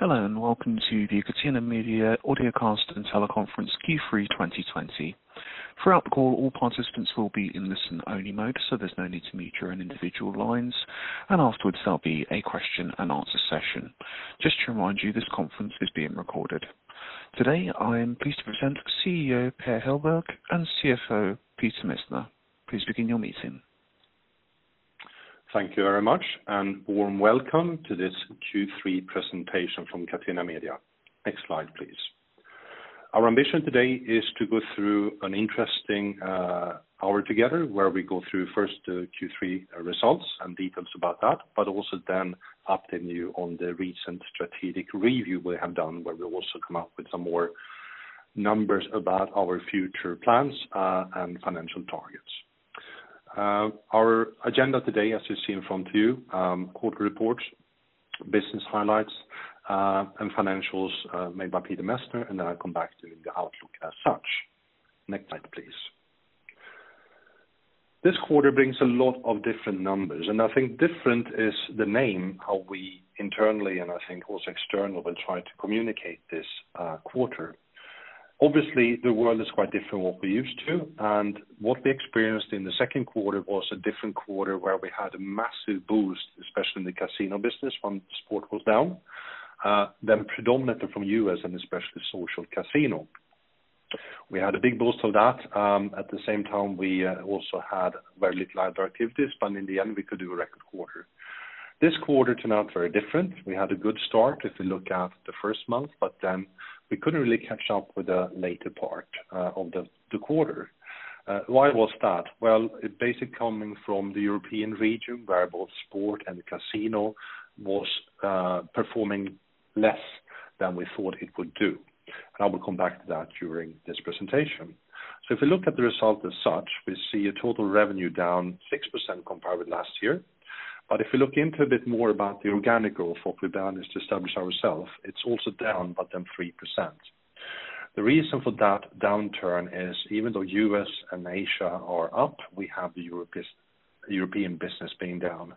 Hello, welcome to the Catena Media audiocast and teleconference Q3 2020. Throughout the call, all participants will be in listen-only mode, so there's no need to mute your own individual lines, and afterwards, there'll be a question and answer session. Just to remind you, this conference is being recorded. Today, I am pleased to present CEO Per Hellberg and CFO Peter Messner. Thank you very much. Warm welcome to this Q3 presentation from Catena Media. Next slide, please. Our ambition today is to go through an interesting hour together, where we go through first the Q3 results and details about that, but also then update you on the recent strategic review we have done, where we also come up with some more numbers about our future plans and financial targets. Our agenda today, as you see in front of you, quarter reports, business highlights, and financials made by Peter Messner, and then I'll come back to the outlook as such. Next slide, please. This quarter brings a lot of different numbers, and I think different is the name how we internally, and I think also external, will try to communicate this quarter. Obviously, the world is quite different what we're used to. What we experienced in the second quarter was a different quarter where we had a massive boost, especially in the casino business, when sport was down. Predominantly from U.S. and especially social casino. We had a big boost of that. At the same time, we also had very little other activities. In the end, we could do a record quarter. This quarter turned out very different. We had a good start if we look at the first month. We couldn't really catch up with the later part of the quarter. Why was that? Well, it basically coming from the European region, where both sport and casino was performing less than we thought it would do. I will come back to that during this presentation. If we look at the result as such, we see a total revenue down 6% compared with last year. If we look into a bit more about the organic goal for to establish ourselves, it's also down but then 3%. The reason for that downturn is even though U.S. and Asia are up, we have the European business being down.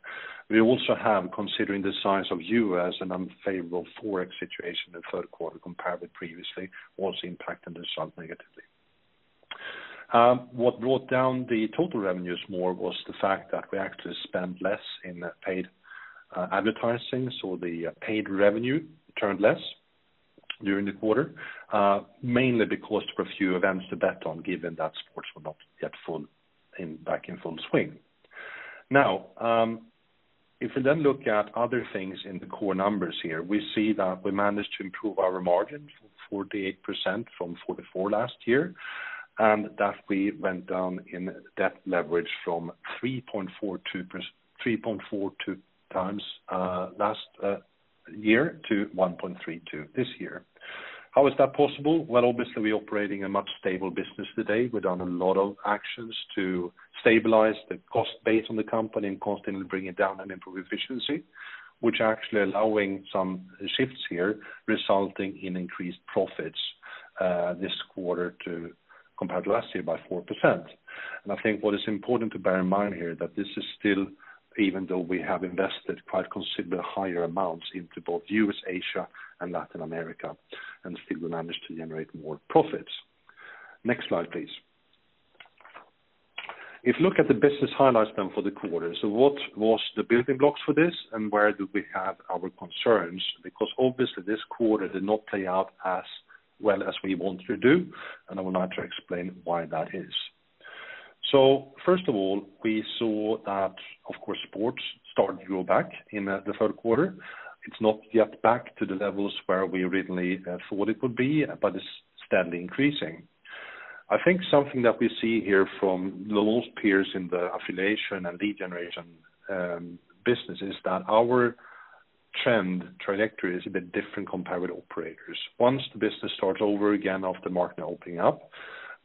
We also have, considering the size of U.S., an unfavorable Forex situation in the third quarter compared with previously, also impacted the result negatively. What brought down the total revenues more was the fact that we actually spent less in paid advertising. The paid revenue turned less during the quarter, mainly because there were few events to bet on given that sports were not yet back in full swing. If we then look at other things in the core numbers here, we see that we managed to improve our margin, 48% from 44% last year, and that we went down in debt leverage from 3.42x last year to 1.32x this year. How is that possible? Well, obviously, we're operating a much stable business today with a lot of actions to stabilize the cost base on the company and constantly bring it down and improve efficiency, which actually allowing some shifts here, resulting in increased profits this quarter compared to last year by 4%. I think what is important to bear in mind here that this is still, even though we have invested quite considerably higher amounts into both U.S., Asia, and Latin America, still we manage to generate more profits. Next slide, please. If you look at the business highlights then for the quarter, what was the building blocks for this and where do we have our concerns? Obviously, this quarter did not play out as well as we wanted to do, I would like to explain why that is. First of all, we saw that, of course, sports started to go back in the third quarter. It's not yet back to the levels where we originally thought it would be, it's steadily increasing. I think something that we see here from the most peers in the affiliation and lead generation business is that our trend trajectory is a bit different compared with operators. Once the business starts over again after market opening up,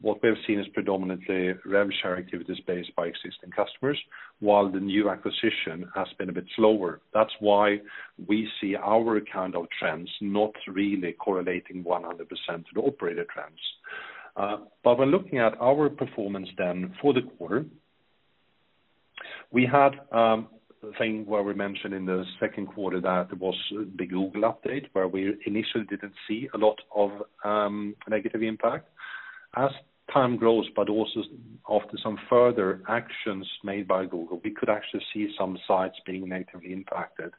what we've seen is predominantly revenue share activities based by existing customers, while the new acquisition has been a bit slower. That's why we see our kind of trends not really correlating 100% to the operator trends. When looking at our performance then for the quarter, we had a thing where we mentioned in the second quarter that there was the Google update where we initially didn't see a lot of negative impact. As time goes, but also after some further actions made by Google, we could actually see some sites being negatively impacted,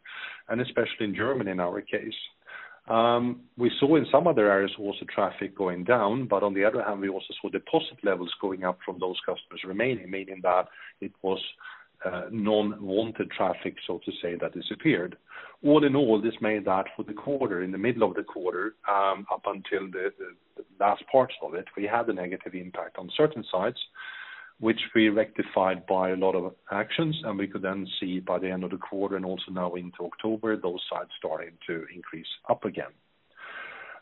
and especially in Germany in our case. We saw in some other areas also traffic going down, but on the other hand, we also saw deposit levels going up from those customers remaining, meaning that it was non-wanted traffic, so to say, that disappeared. All in all, this made that for the quarter, in the middle of the quarter, up until the last parts of it, we had a negative impact on certain sites, which we rectified by a lot of actions, and we could then see by the end of the quarter and also now into October, those sites starting to increase up again.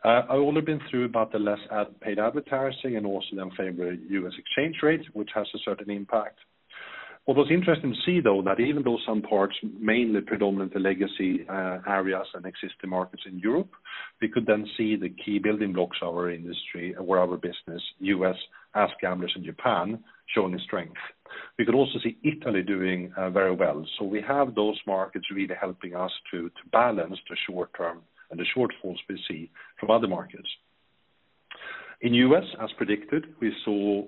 I would have been through about the less paid advertising and also the unfavorable U.S. exchange rate, which has a certain impact. What was interesting to see, though, that even though some parts, mainly predominant legacy areas and existing markets in Europe, we could then see the key building blocks of our industry and where our business, U.S., AskGamblers in Japan, showing strength. We could also see Italy doing very well. We have those markets really helping us to balance the short term and the shortfalls we see from other markets. In U.S., as predicted, we saw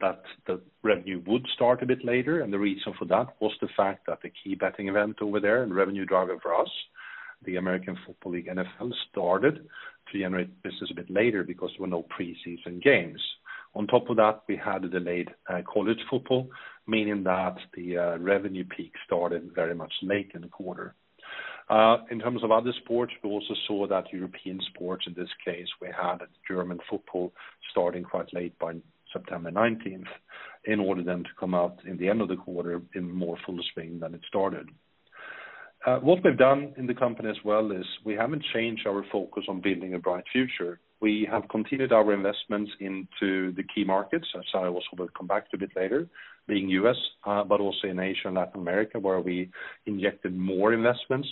that the revenue would start a bit later, and the reason for that was the fact that the key betting event over there and revenue driver for us, the American Football League, NFL, started to generate business a bit later because there were no pre-season games. On top of that, we had a delayed college football, meaning that the revenue peak started very much late in the quarter. In terms of other sports, we also saw that European sports, in this case, we had German football starting quite late by September 19th, in order then to come out in the end of the quarter in more full swing than it started. What we've done in the company as well is we haven't changed our focus on building a bright future. We have continued our investments into the key markets, as I also will come back to a bit later, being U.S., but also in Asia and Latin America, where we injected more investments,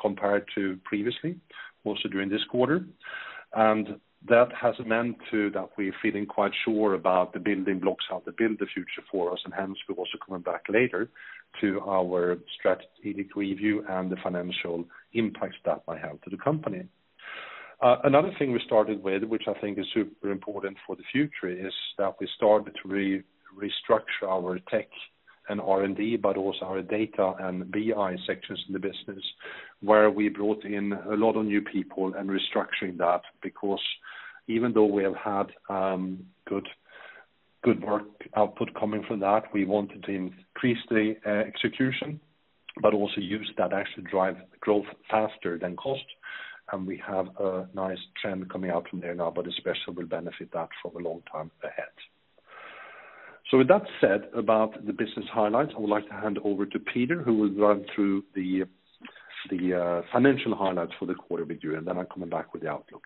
compared to previously, also during this quarter. That has meant too that we are feeling quite sure about the building blocks, how to build the future for us, and hence we're also coming back later to our strategic review and the financial impacts that might have to the company. Another thing we started with, which I think is super important for the future, is that we started to restructure our tech and R&D, but also our data and BI sections in the business, where we brought in a lot of new people and restructuring that because even though we have had good work output coming from that, we wanted to increase the execution, but also use that extra drive growth faster than cost. We have a nice trend coming out from there now, but especially will benefit that for the long time ahead. With that said about the business highlights, I would like to hand over to Peter, who will run through the financial highlights for the quarter with you, and then I'm coming back with the outlook.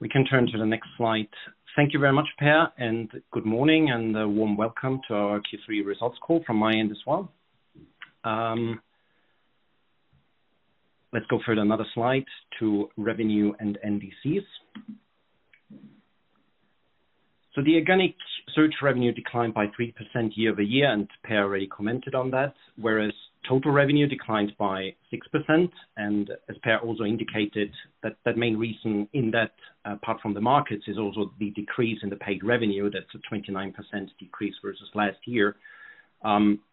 We can turn to the next slide. Thank you very much, Per, and good morning and a warm welcome to our Q3 results call from my end as well. Let's go further another slide to revenue and NDCs. The organic search revenue declined by 3% year-over-year, and Per already commented on that, whereas total revenue declined by 6%. As Per also indicated, that main reason in that, apart from the markets, is also the decrease in the paid revenue. That's a 29% decrease versus last year,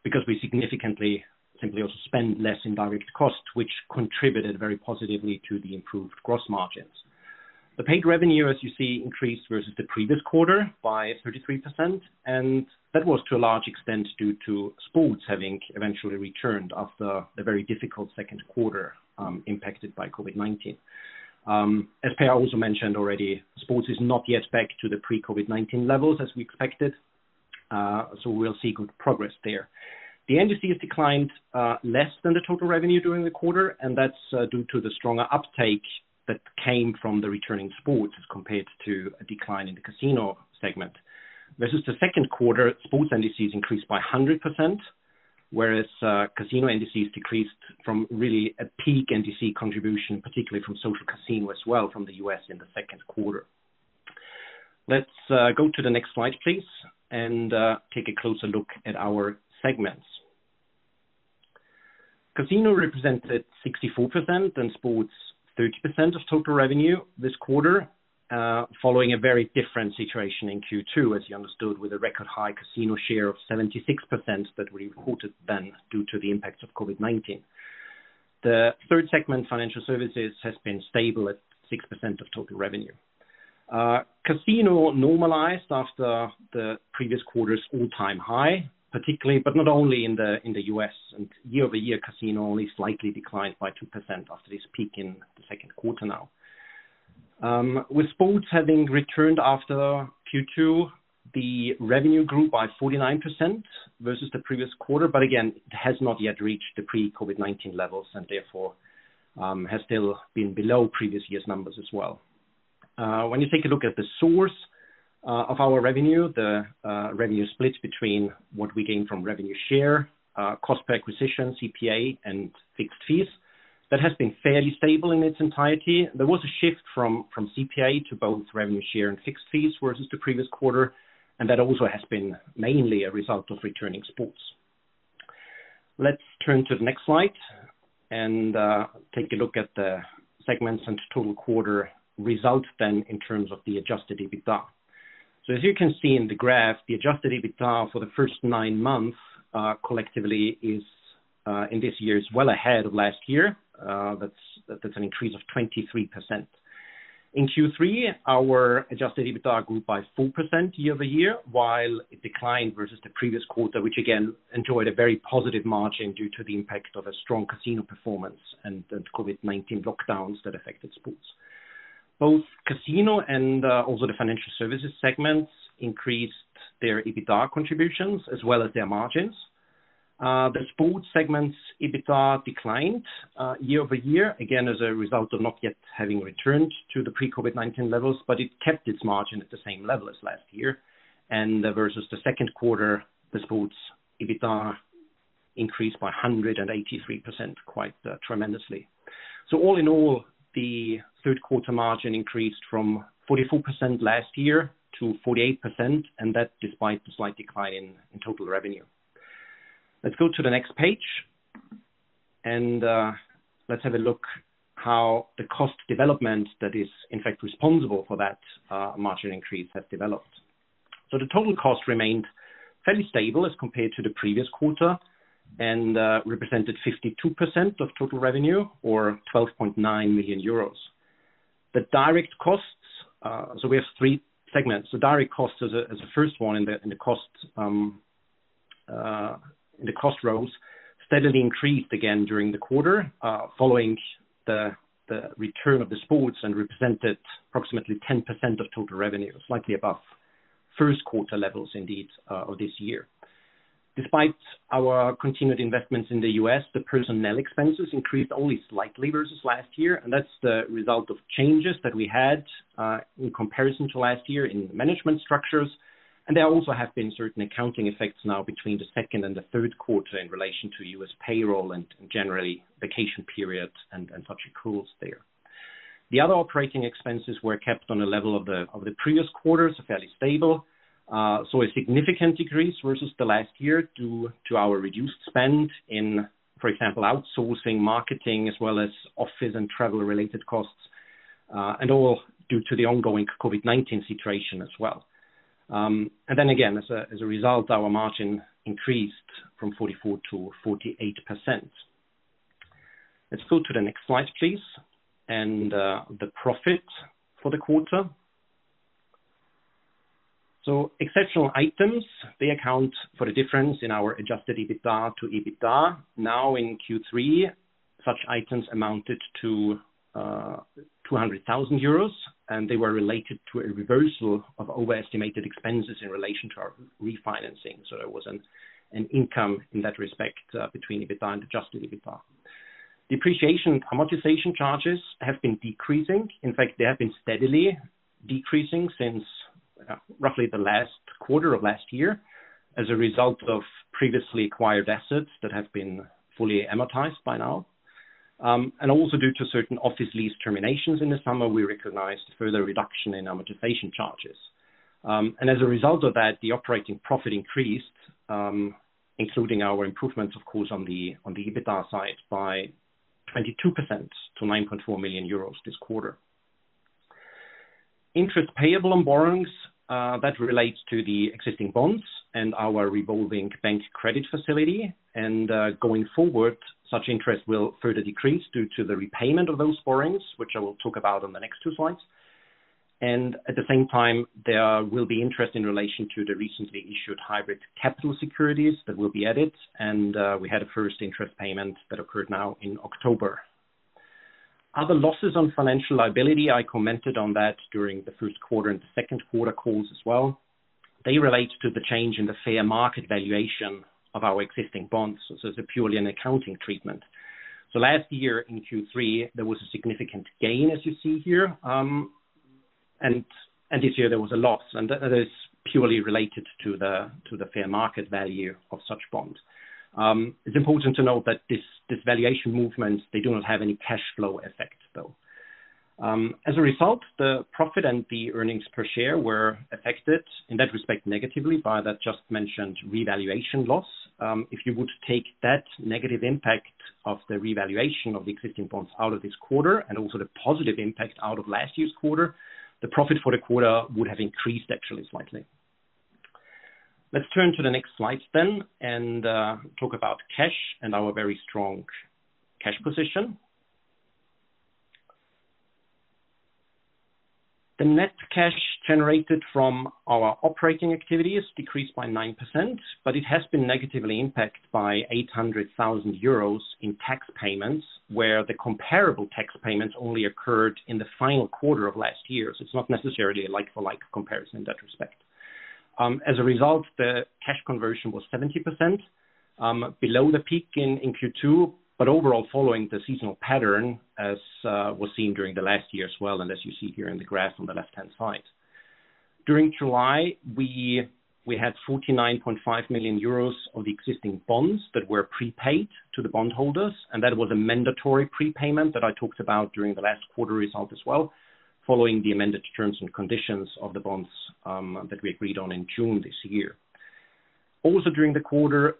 because we significantly simply also spend less in direct costs, which contributed very positively to the improved gross margins. The paid revenue, as you see, increased versus the previous quarter by 33%, and that was to a large extent due to sports having eventually returned after the very difficult second quarter, impacted by COVID-19. As Per also mentioned already, sports is not yet back to the pre-COVID-19 levels as we expected, so we'll see good progress there. The NDC has declined less than the total revenue during the quarter, and that's due to the stronger uptake that came from the returning sports as compared to a decline in the casino segment. Versus the second quarter, sports NDCs increased by 100%, whereas casino NDCs decreased from really a peak NDC contribution, particularly from social casino as well from the U.S. in the second quarter. Let's go to the next slide, please, and take a closer look at our segments. Casino represented 64% and sports 30% of total revenue this quarter, following a very different situation in Q2, as you understood, with a record high casino share of 76% that we reported then due to the impact of COVID-19. The third segment, financial services, has been stable at 6% of total revenue. Casino normalized after the previous quarter's all-time high, particularly, but not only in the U.S., and year-over-year, casino only slightly declined by 2% after this peak in the second quarter now. With sports having returned after Q2, the revenue grew by 49% versus the previous quarter, but again, it has not yet reached the pre-COVID-19 levels and therefore, has still been below previous year's numbers as well. When you take a look at the source of our revenue, the revenue splits between what we gain from revenue share, cost per acquisition, CPA, and fixed fees. That has been fairly stable in its entirety. There was a shift from CPA to both revenue share and fixed fees versus the previous quarter, and that also has been mainly a result of returning sports. Let's turn to the next slide and take a look at the segments and total quarter results in terms of the adjusted EBITDA. As you can see in the graph, the adjusted EBITDA for the first nine months collectively is, in this year, is well ahead of last year. That's an increase of 23%. In Q3, our adjusted EBITDA grew by 4% year-over-year, while it declined versus the previous quarter, which again, enjoyed a very positive margin due to the impact of a strong casino performance and the COVID-19 lockdowns that affected sports. Both casino and also the financial services segments increased their EBITDA contributions as well as their margins. The sports segment's EBITDA declined year-over-year, again, as a result of not yet having returned to the pre-COVID-19 levels, but it kept its margin at the same level as last year. Versus the second quarter, the sports EBITDA increased by 183%, quite tremendously. All in all, the third quarter margin increased from 44% last year to 48%, and that despite the slight decline in total revenue. Let's go to the next page, and let's have a look how the cost development that is, in fact, responsible for that margin increase has developed. The total cost remained fairly stable as compared to the previous quarter and represented 52% of total revenue or 12.9 million euros. The direct costs, so we have three segments. Direct costs as a first one in the cost rows, steadily increased again during the quarter following the return of the sports and represented approximately 10% of total revenue, slightly above first quarter levels indeed, of this year. Despite our continued investments in the U.S., the personnel expenses increased only slightly versus last year, that's the result of changes that we had, in comparison to last year in the management structures. There also have been certain accounting effects now between the second and the third quarter in relation to U.S. payroll and generally vacation periods and such accruals there. The other operating expenses were kept on a level of the previous quarters, fairly stable. We saw a significant decrease versus the last year due to our reduced spend in, for example, outsourcing, marketing as well as office and travel-related costs, and all due to the ongoing COVID-19 situation as well. Then again, as a result, our margin increased from 44% to 48%. Let's go to the next slide, please. The profit for the quarter. Exceptional items, they account for the difference in our adjusted EBITDA to EBITDA. In Q3, such items amounted to 200,000 euros, they were related to a reversal of overestimated expenses in relation to our refinancing. There was an income in that respect between EBITDA and adjusted EBITDA. Depreciation amortization charges have been decreasing. They have been steadily decreasing since roughly the last quarter of last year as a result of previously acquired assets that have been fully amortized by now. Due to certain office lease terminations in the summer, we recognized further reduction in amortization charges. As a result of that, the operating profit increased, including our improvements, of course, on the EBITDA side by 22% to 9.4 million euros this quarter. Interest payable on borrowings, that relates to the existing bonds and our revolving bank credit facility. Going forward, such interest will further decrease due to the repayment of those borrowings, which I will talk about on the next two slides. At the same time, there will be interest in relation to the recently issued hybrid capital securities that will be added. We had a first interest payment that occurred now in October. Other losses on financial liability, I commented on that during the first quarter and the second quarter calls as well. They relate to the change in the fair market valuation of our existing bonds. It's purely an accounting treatment. Last year in Q3, there was a significant gain, as you see here, and this year there was a loss, and that is purely related to the fair market value of such bonds. It's important to note that this valuation movements, they do not have any cash flow effect, though. As a result, the profit and the earnings per share were affected in that respect negatively by that just mentioned revaluation loss. If you would take that negative impact of the revaluation of the existing bonds out of this quarter and also the positive impact out of last year's quarter, the profit for the quarter would have increased actually slightly. Let's turn to the next slides then and talk about cash and our very strong cash position. The net cash generated from our operating activities decreased by 9%, but it has been negatively impacted by 800,000 euros in tax payments, where the comparable tax payments only occurred in the final quarter of last year. It's not necessarily a like-for-like comparison in that respect. As a result, the cash conversion was 70%, below the peak in Q2, but overall following the seasonal pattern as was seen during the last year as well, and as you see here in the graph on the left-hand side. During July, we had 49.5 million euros of the existing bonds that were prepaid to the bondholders. That was a mandatory prepayment that I talked about during the last quarter result as well, following the amended terms and conditions of the bonds that we agreed on in June this year. During the quarter,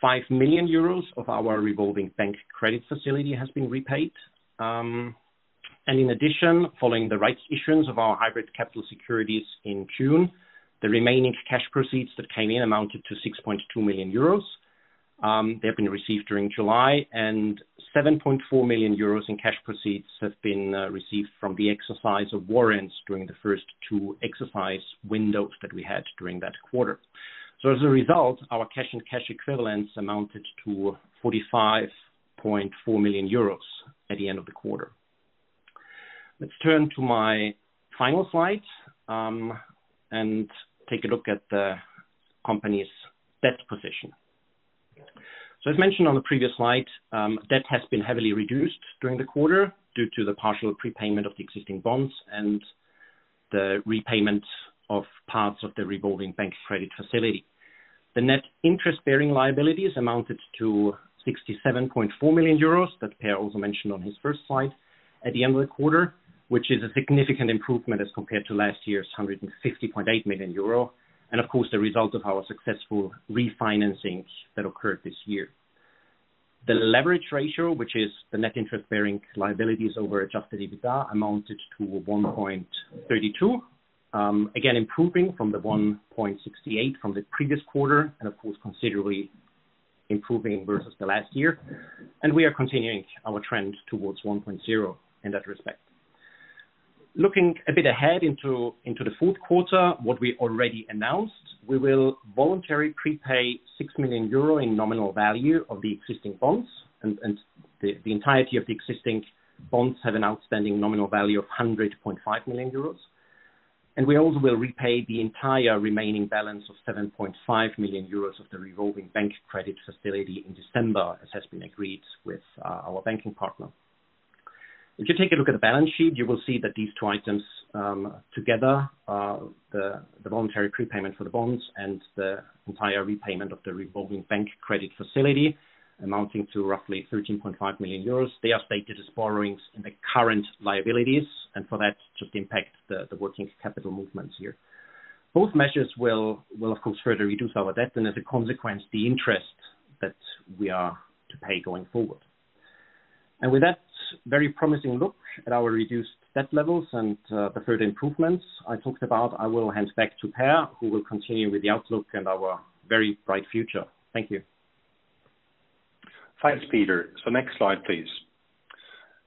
5 million euros of our revolving bank credit facility has been repaid. In addition, following the rights issuance of our hybrid capital securities in June, the remaining cash proceeds that came in amounted to 6.2 million euros. They have been received during July, and 7.4 million euros in cash proceeds have been received from the exercise of warrants during the first two exercise windows that we had during that quarter. As a result, our cash and cash equivalents amounted to 45.4 million euros at the end of the quarter. Let's turn to my final slide, and take a look at the company's debt position. As mentioned on the previous slide, debt has been heavily reduced during the quarter due to the partial prepayment of the existing bonds and the repayment of parts of the revolving bank credit facility. The net interest-bearing liabilities amounted to 67.4 million euros, that Per also mentioned on his first slide, at the end of the quarter, which is a significant improvement as compared to last year's 150.8 million euro, and of course, the result of our successful refinancing that occurred this year. The leverage ratio, which is the net interest-bearing liabilities over adjusted EBITDA, amounted to 1.32. Improving from the 1.68 from the previous quarter, and of course, considerably improving versus the last year. We are continuing our trend towards 1.0 in that respect. Looking a bit ahead into the fourth quarter, what we already announced, we will voluntarily prepay 6 million euro in nominal value of the existing bonds, and the entirety of the existing bonds have an outstanding nominal value of 100.5 million euros. We also will repay the entire remaining balance of 7.5 million euros of the revolving bank credit facility in December, as has been agreed with our banking partner. If you take a look at the balance sheet, you will see that these two items together, the voluntary prepayment for the bonds and the entire repayment of the revolving bank credit facility amounting to roughly 13.5 million euros, they are stated as borrowings in the current liabilities, and for that just impact the working capital movements here. Both measures will, of course, further reduce our debt and as a consequence, the interest that we are to pay going forward. With that very promising look at our reduced debt levels and the further improvements I talked about, I will hand back to Per, who will continue with the outlook and our very bright future. Thank you. Thanks, Peter. Next slide, please.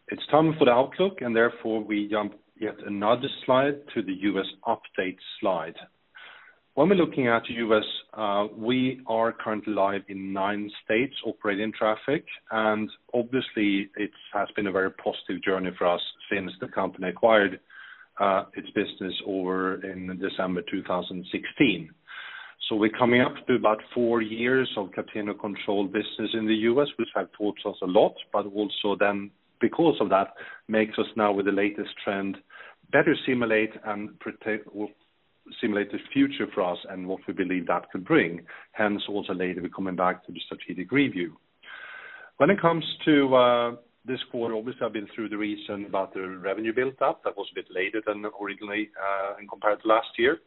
It's time for the outlook, and therefore we jump yet another slide to the U.S. update slide. When we're looking at U.S., we are currently live in nine states operating traffic, and obviously it has been a very positive journey for us since the company acquired its business over in December 2016. We're coming up to about four years of Catena controlled business in the U.S., which have taught us a lot, but also then, because of that, makes us now with the latest trend, better simulate the future for us and what we believe that could bring. Hence, also later, we're coming back to the strategic review. When it comes to this quarter, obviously, I've been through the reason about the revenue built up, that was a bit later than originally, in compared to last year.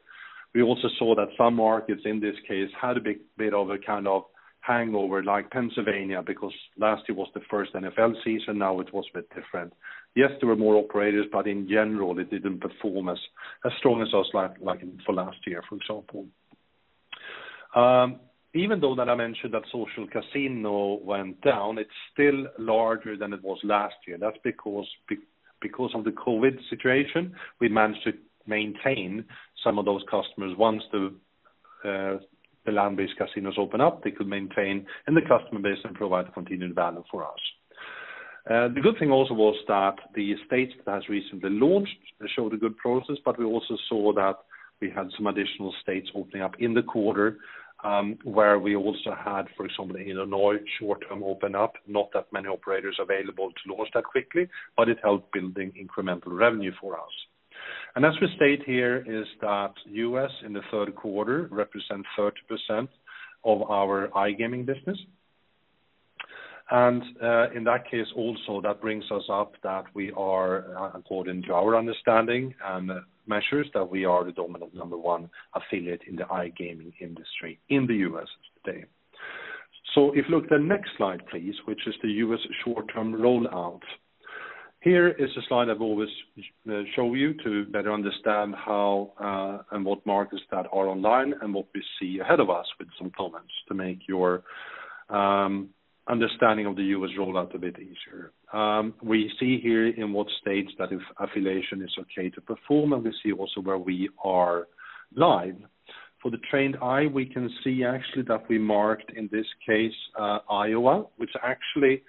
We also saw that some markets in this case had a big bit of a kind of hangover like Pennsylvania, because last year was the first NFL season, now it was a bit different. Yes, there were more operators, but in general, they didn't perform as strong as us like for last year, for example. Even though that I mentioned that social casino went down, it's still larger than it was last year. That's because of the COVID situation, we managed to maintain some of those customers. Once the land-based casinos open up, they could maintain, and the customer base can provide continued value for us. The good thing also was that the states that has recently launched showed a good process, but we also saw that we had some additional states opening up in the quarter, where we also had, for example, in Illinois, short-term open up, not that many operators available to launch that quickly, but it helped building incremental revenue for us. As we state here, is that U.S. in the third quarter represents 30% of our iGaming business. In that case also, that brings us up that we are according to our understanding and measures, that we are the dominant number one affiliate in the iGaming industry in the U.S. today. If you look the next slide, please, which is the U.S. short-term rollout. Here is a slide I've always showed you to better understand how, and what markets that are online and what we see ahead of us with some comments to make your understanding of the U.S. rollout a bit easier. We see here in what states that if affiliation is okay to perform, and we see also where we are live. For the trained eye, we can see actually that we marked, in this case, Iowa, which actually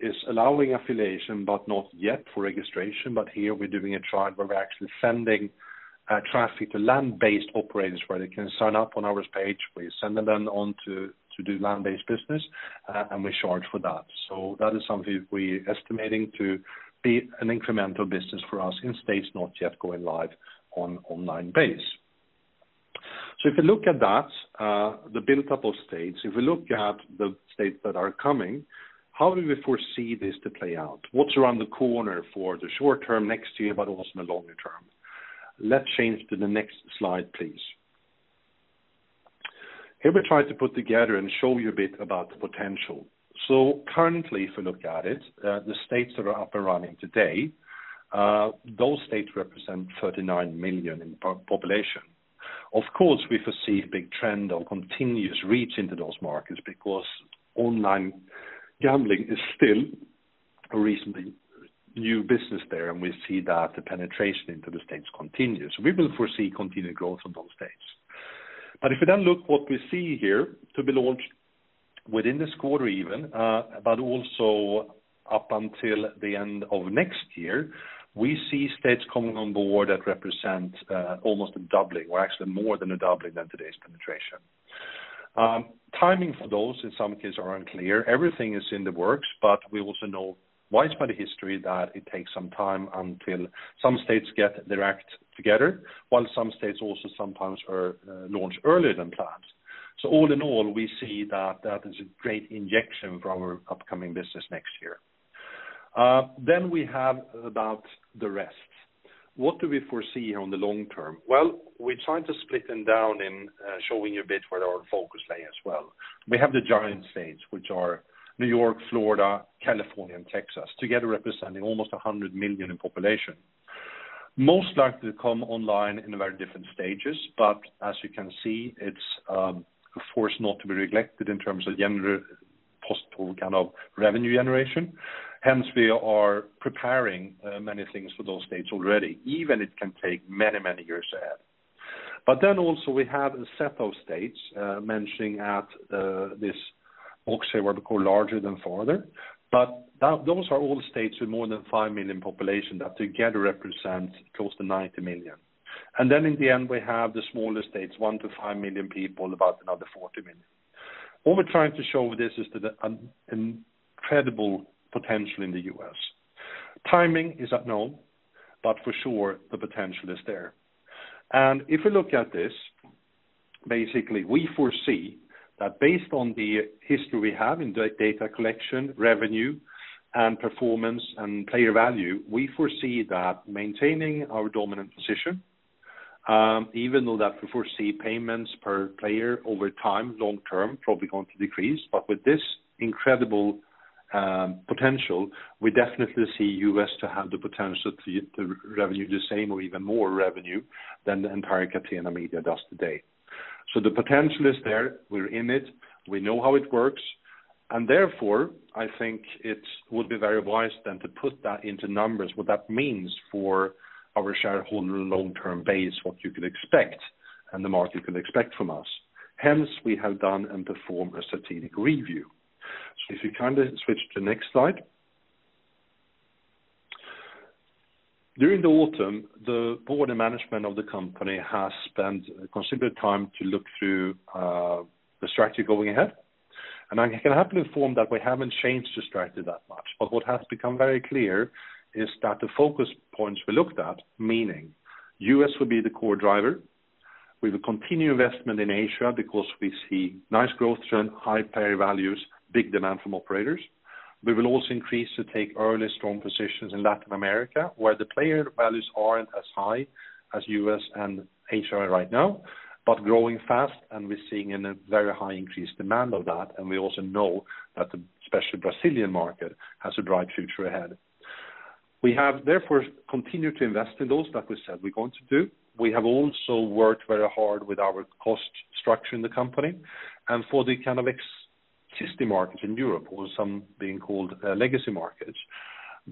is allowing affiliation, but not yet for registration. Here we're doing a trial where we're actually sending traffic to land-based operators where they can sign up on our page. We're sending them on to do land-based business, and we charge for that. That is something we're estimating to be an incremental business for us in states not yet going live on online base. If you look at that, the buildup of states, if we look at the states that are coming, how do we foresee this to play out? What's around the corner for the short term next year, but also in the longer term? Let's change to the next slide, please. Here we try to put together and show you a bit about the potential. Currently, if you look at it, the states that are up and running today, those states represent 39 million in population. Of course, we foresee a big trend on continuous reach into those markets because online gambling is still a recently new business there, and we see that the penetration into the states continues. We will foresee continued growth on those states. If we then look what we see here to be launched within this quarter even, but also up until the end of next year, we see states coming on board that represent almost a doubling, or actually more than a doubling than today's penetration. Timing for those, in some cases, are unclear. Everything is in the works, but we also know by its history that it takes some time until some states get their act together, while some states also sometimes launch earlier than planned. All in all, we see that is a great injection for our upcoming business next year. We have about the rest. What do we foresee on the long term? We're trying to split them down and show you a bit where our focus lay as well. We have the giant states, which are New York, Florida, California, and Texas, together representing almost 100 million in population. Most likely to come online in very different stages, but as you can see, it's a force not to be neglected in terms of general possible revenue generation. Hence, we are preparing many things for those states already, even if it can take many years ahead. Also we have a set of states mentioning at this, we'll say, what we call larger than farther. Those are all states with more than five million population that together represent close to 90 million. In the end, we have the smaller states, one to five million people, about another 40 million. What we're trying to show with this is that there is incredible potential in the U.S. Timing is unknown, but for sure the potential is there. If we look at this, basically, we foresee that based on the history we have in data collection, revenue, and performance, and player value, we foresee that maintaining our dominant position, even though that we foresee payments per player over time, long term, probably going to decrease. With this incredible potential, we definitely see U.S. to have the potential to revenue the same or even more revenue than the entire Catena Media does today. The potential is there, we're in it, we know how it works, and therefore, I think it would be very wise then to put that into numbers, what that means for our shareholder long-term base, what you could expect and the market can expect from us. Hence, we have done and performed a strategic review. If you switch to the next slide. During the autumn, the board and management of the company has spent considerable time to look through the strategy going ahead. I can happily inform that we haven't changed the strategy that much. What has become very clear is that the focus points we looked at, meaning U.S. will be the core driver. We will continue investment in Asia because we see nice growth trend, high player values, big demand from operators. We will also increase to take early strong positions in Latin America, where the player values aren't as high as U.S. and Asia are right now, but growing fast and we're seeing a very high increased demand of that. We also know that the especially Brazilian market has a bright future ahead. We have therefore continued to invest in those that we said we're going to do. We have also worked very hard with our cost structure in the company and for the existing markets in Europe, or some being called legacy markets.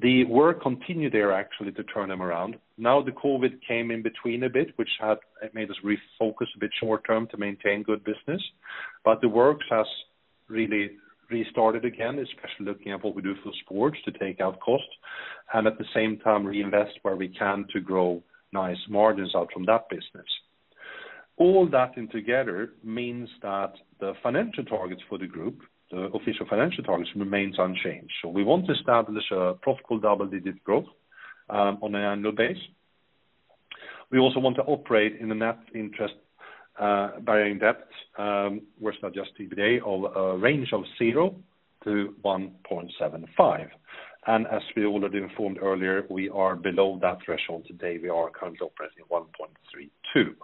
The work continued there actually to turn them around. The COVID came in between a bit, which had made us refocus a bit short term to maintain good business. The work has really restarted again, especially looking at what we do for sports to take out costs, and at the same time reinvest where we can to grow nice margins out from that business. All that in together means that the financial targets for the group, the official financial targets, remain unchanged. We want to establish a profitable double-digit growth on an annual basis. We also want to operate in a net interest-bearing debt, versus adjusted EBITDA, of a range of 0 to 1.75. As we already informed earlier, we are below that threshold today. We are currently operating at 1.32.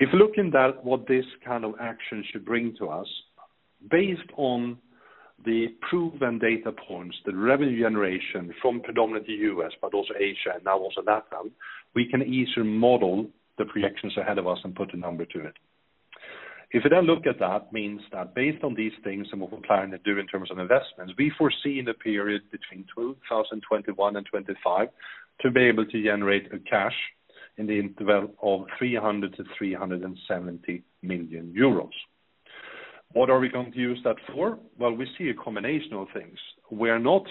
If you look at what this kind of action should bring to us, based on the proven data points, the revenue generation from predominantly U.S., but also Asia and now also Latin, we can easily model the projections ahead of us and put a number to it. If you then look at that, means that based on these things and what we're planning to do in terms of investments, we foresee in the period between 2021 and 2025 to be able to generate a cash in the interval of 300 million-370 million euros. What are we going to use that for? Well, we see a combination of things. We are not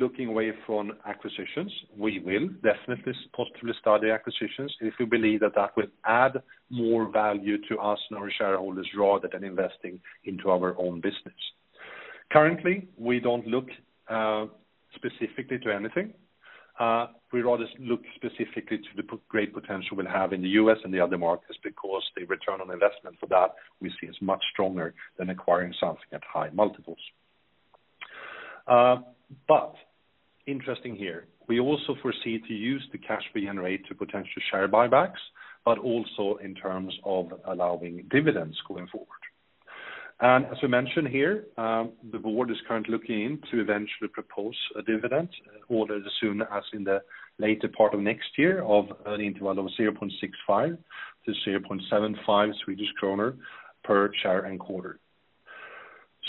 looking away from acquisitions. We will definitely possibly start the acquisitions if we believe that that will add more value to us and our shareholders, rather than investing into our own business. Currently, we don't look specifically to anything. We'd rather look specifically to the great potential we'll have in the U.S. and the other markets because the return on investment for that we see is much stronger than acquiring something at high multiples. Interesting here, we also foresee to use the cash we generate to potential share buybacks, but also in terms of allowing dividends going forward. As we mentioned here, the board is currently looking in to eventually propose a dividend ordered as soon as in the later part of next year of an interval of 0.65-0.75 Swedish kronor per share and quarter.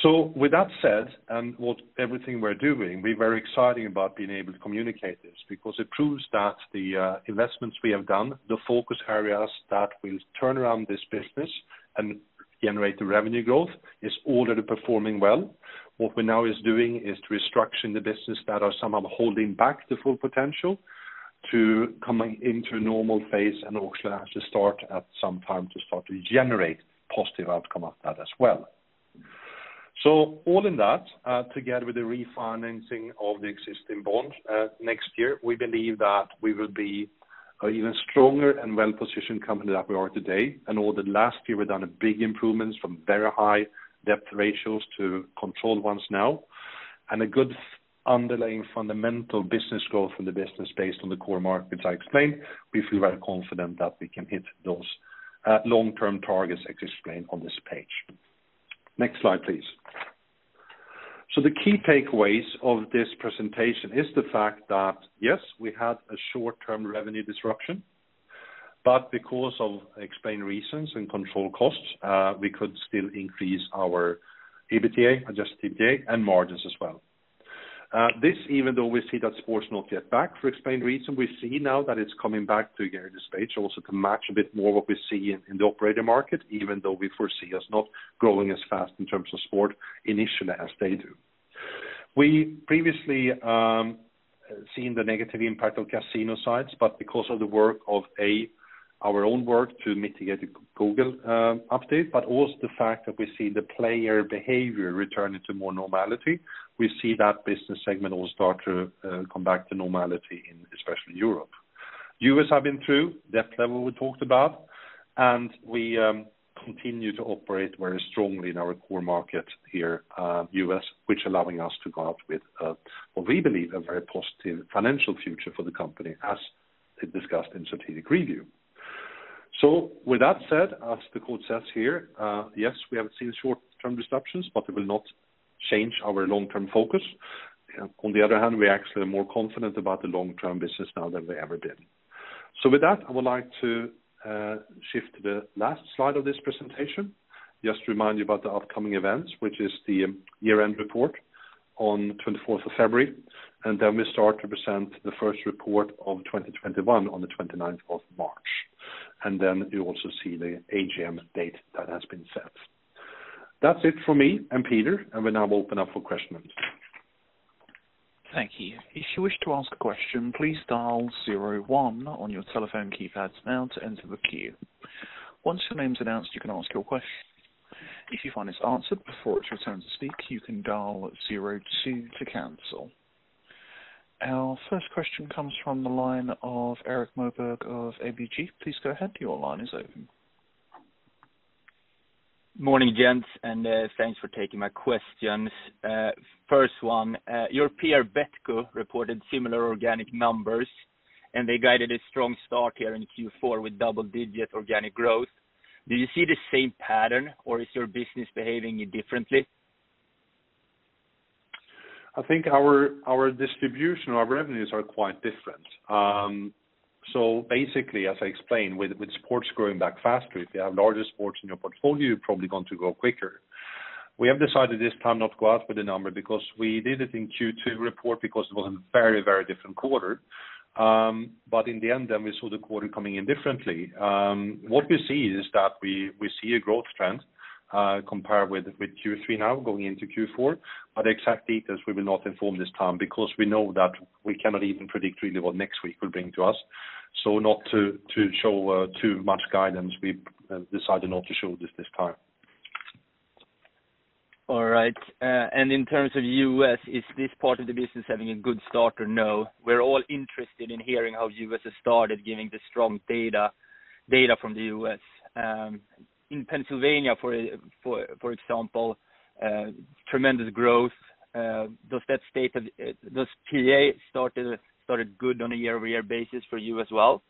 With that said, and with everything we're doing, we're very excited about being able to communicate this because it proves that the investments we have done, the focus areas that will turn around this business and generate the revenue growth, is already performing well. What we now are doing is to restructure the business that is somehow holding back the full potential, to come into a normal phase and also have to start at some time to generate positive outcome of that as well. All in that, together with the refinancing of the existing bonds next year, we believe that we will be an even stronger and well-positioned company than we are today. Over the last year, we've done big improvements from very high debt ratios to controlled ones now, and a good underlying fundamental business growth from the business based on the core markets I explained. We feel very confident that we can hit those long-term targets as explained on this page. Next slide, please. The key takeaways of this presentation is the fact that, yes, we had a short-term revenue disruption, but because of explained reasons and controlled costs, we could still increase our EBITDA, adjusted EBITDA, and margins as well. This, even though we see that sports not yet back, for explained reasons, we see now that it's coming back to the stage also to match a bit more what we see in the operator market, even though we foresee us not growing as fast in terms of sport initially as they do. We previously seen the negative impact on casino sites, but because of the work of our own work to mitigate the Google update, but also the fact that we see the player behavior returning to more normality, we see that business segment also start to come back to normality in especially Europe. U.S. have been through that level we talked about, and we continue to operate very strongly in our core market here, U.S., which allowing us to go out with what we believe a very positive financial future for the company as discussed in strategic review. With that said, as the quote says here, yes, we have seen short-term disruptions, but it will not change our long-term focus. On the other hand, we actually are more confident about the long-term business now than we ever been. With that, I would like to shift to the last slide of this presentation. Just remind you about the upcoming events, which is the year-end report on 24th of February, then we start to present the first report of 2021 on the 29th of March. Then you also see the AGM date that has been set. That's it for me and Peter, and we now open up for questions. Thank you. If you wish to ask a question, please dial zero one on your telephone keypads now to enter the queue. Once your name's announced, you can ask your question. If you find it's answered before it's your turn to speak, you can dial zero two to cancel. Our first question comes from the line of Erik Moberg of ABG. Please go ahead, your line is open. Morning, gents, and thanks for taking my questions. First one, Better Collective reported similar organic numbers, and they guided a strong start here in Q4 with double-digit organic growth. Do you see the same pattern, or is your business behaving differently? I think our distribution, our revenues are quite different. Basically, as I explained, with sports growing back faster, if you have larger sports in your portfolio, you're probably going to grow quicker. We have decided this time not to go out with a number because we did it in Q2 report because it was a very different quarter. In the end, we saw the quarter coming in differently. What we see is that we see a growth trend, compared with Q3 now going into Q4. Exact details we will not inform this time because we know that we cannot even predict really what next week will bring to us. Not to show too much guidance, we've decided not to show this time. All right. In terms of U.S., is this part of the business having a good start or no? We're all interested in hearing how U.S. has started giving the strong data from the U.S. In Pennsylvania, for example, tremendous growth. Does PA started good on a year-over-year basis for you as well?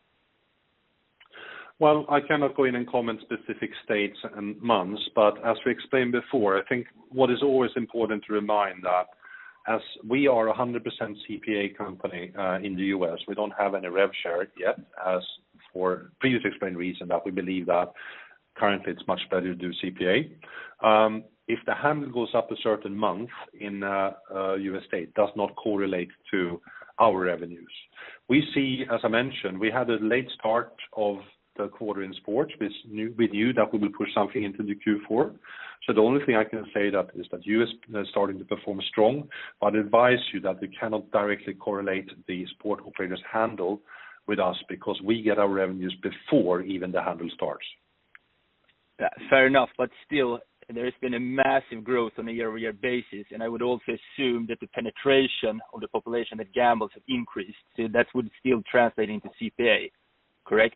Well, I cannot go in and comment specific states and months, but as we explained before, I think what is always important to remind that as we are 100% CPA company, in the U.S., we don't have any rev share yet, as for previously explained reason, that we believe that currently it's much better to do CPA. If the handle goes up a certain month in a U.S. state, does not correlate to our revenues. We see, as I mentioned, we had a late start of the quarter in sports with you that we will push something into the Q4. The only thing I can say that is that U.S. starting to perform strong, but advise you that we cannot directly correlate the sport operators handle with us because we get our revenues before even the handle starts. Yeah. Fair enough. Still, there's been a massive growth on a year-over-year basis, and I would also assume that the penetration of the population that gambles have increased. That would still translate into CPA, correct?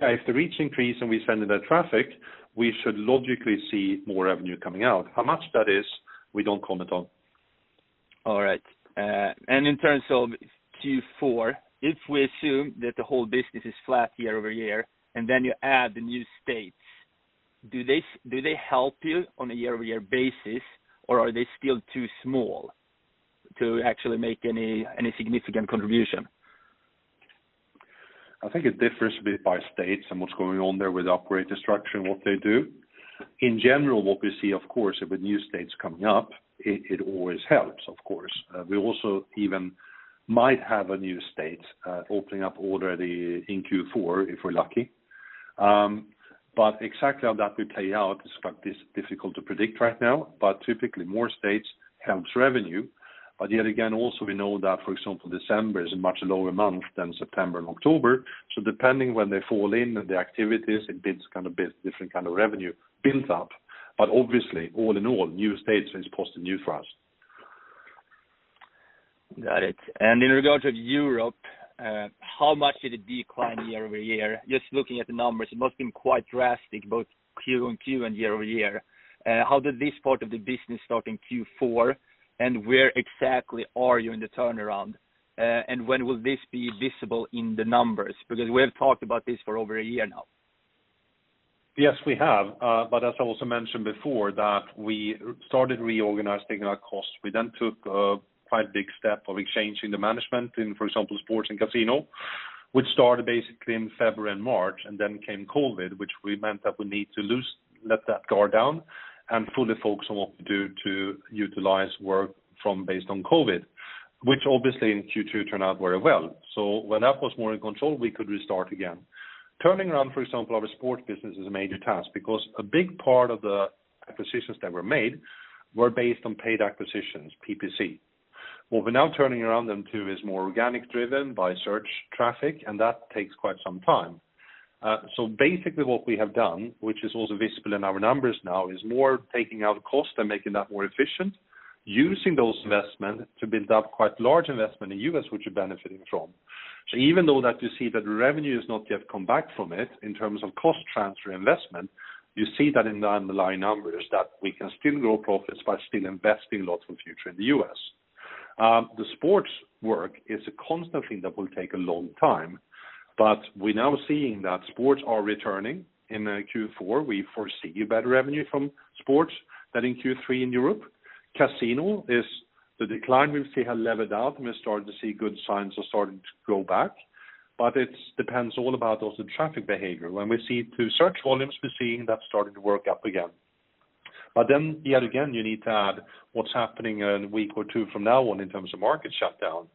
Yeah. If the reach increase and we send the traffic, we should logically see more revenue coming out. How much that is, we don't comment on. All right. In terms of Q4, if we assume that the whole business is flat year-over-year, and then you add the new states, do they help you on a year-over-year basis, or are they still too small to actually make any significant contribution? I think it differs a bit by states and what's going on there with operator structure and what they do. In general, what we see, of course, with new states coming up, it always helps, of course. We also even might have a new state opening up already in Q4 if we're lucky. Exactly how that will play out is quite difficult to predict right now. Typically, more states helps revenue. Yet again, also we know that, for example, December is a much lower month than September and October. Depending when they fall in and the activities and bids different kind of revenue builds up. Obviously, all in all, new states is positive news for us. Got it. In regard to Europe, how much did it decline year-over-year? Just looking at the numbers, it must have been quite drastic, both quarter-on-quarter and year-over-year. How did this part of the business start in Q4, and where exactly are you in the turnaround? When will this be visible in the numbers? Because we have talked about this for over one year now. Yes, we have. As I also mentioned before, that we started reorganizing our costs. We then took a quite big step of exchanging the management in, for example, sports and casino, which started basically in February and March, and then came COVID, which we meant that we need to let that guard down and fully focus on what we do to utilize work from based on COVID, which obviously in Q2 turned out very well. When that was more in control, we could restart again. Turning around, for example, our sports business is a major task, because a big part of the acquisitions that were made were based on paid acquisitions, PPC. What we're now turning around into is more organic driven by search traffic, and that takes quite some time. Basically what we have done, which is also visible in our numbers now, is more taking out cost and making that more efficient, using those investments to build up quite large investment in U.S., which we're benefiting from. Even though that you see that revenue has not yet come back from it in terms of cost transfer investment, you see that in the underlying numbers, that we can still grow profits by still investing lots for future in the U.S. The sports work is a constant thing that will take a long time, but we're now seeing that sports are returning in Q4. We foresee better revenue from sports than in Q3 in Europe. Casino is the decline we see has leveled out, and we're starting to see good signs of starting to go back. It depends all about also traffic behavior. When we see through search volumes, we're seeing that starting to work up again. Yet again, you need to add what's happening in a week or two from now on in terms of market shutdown.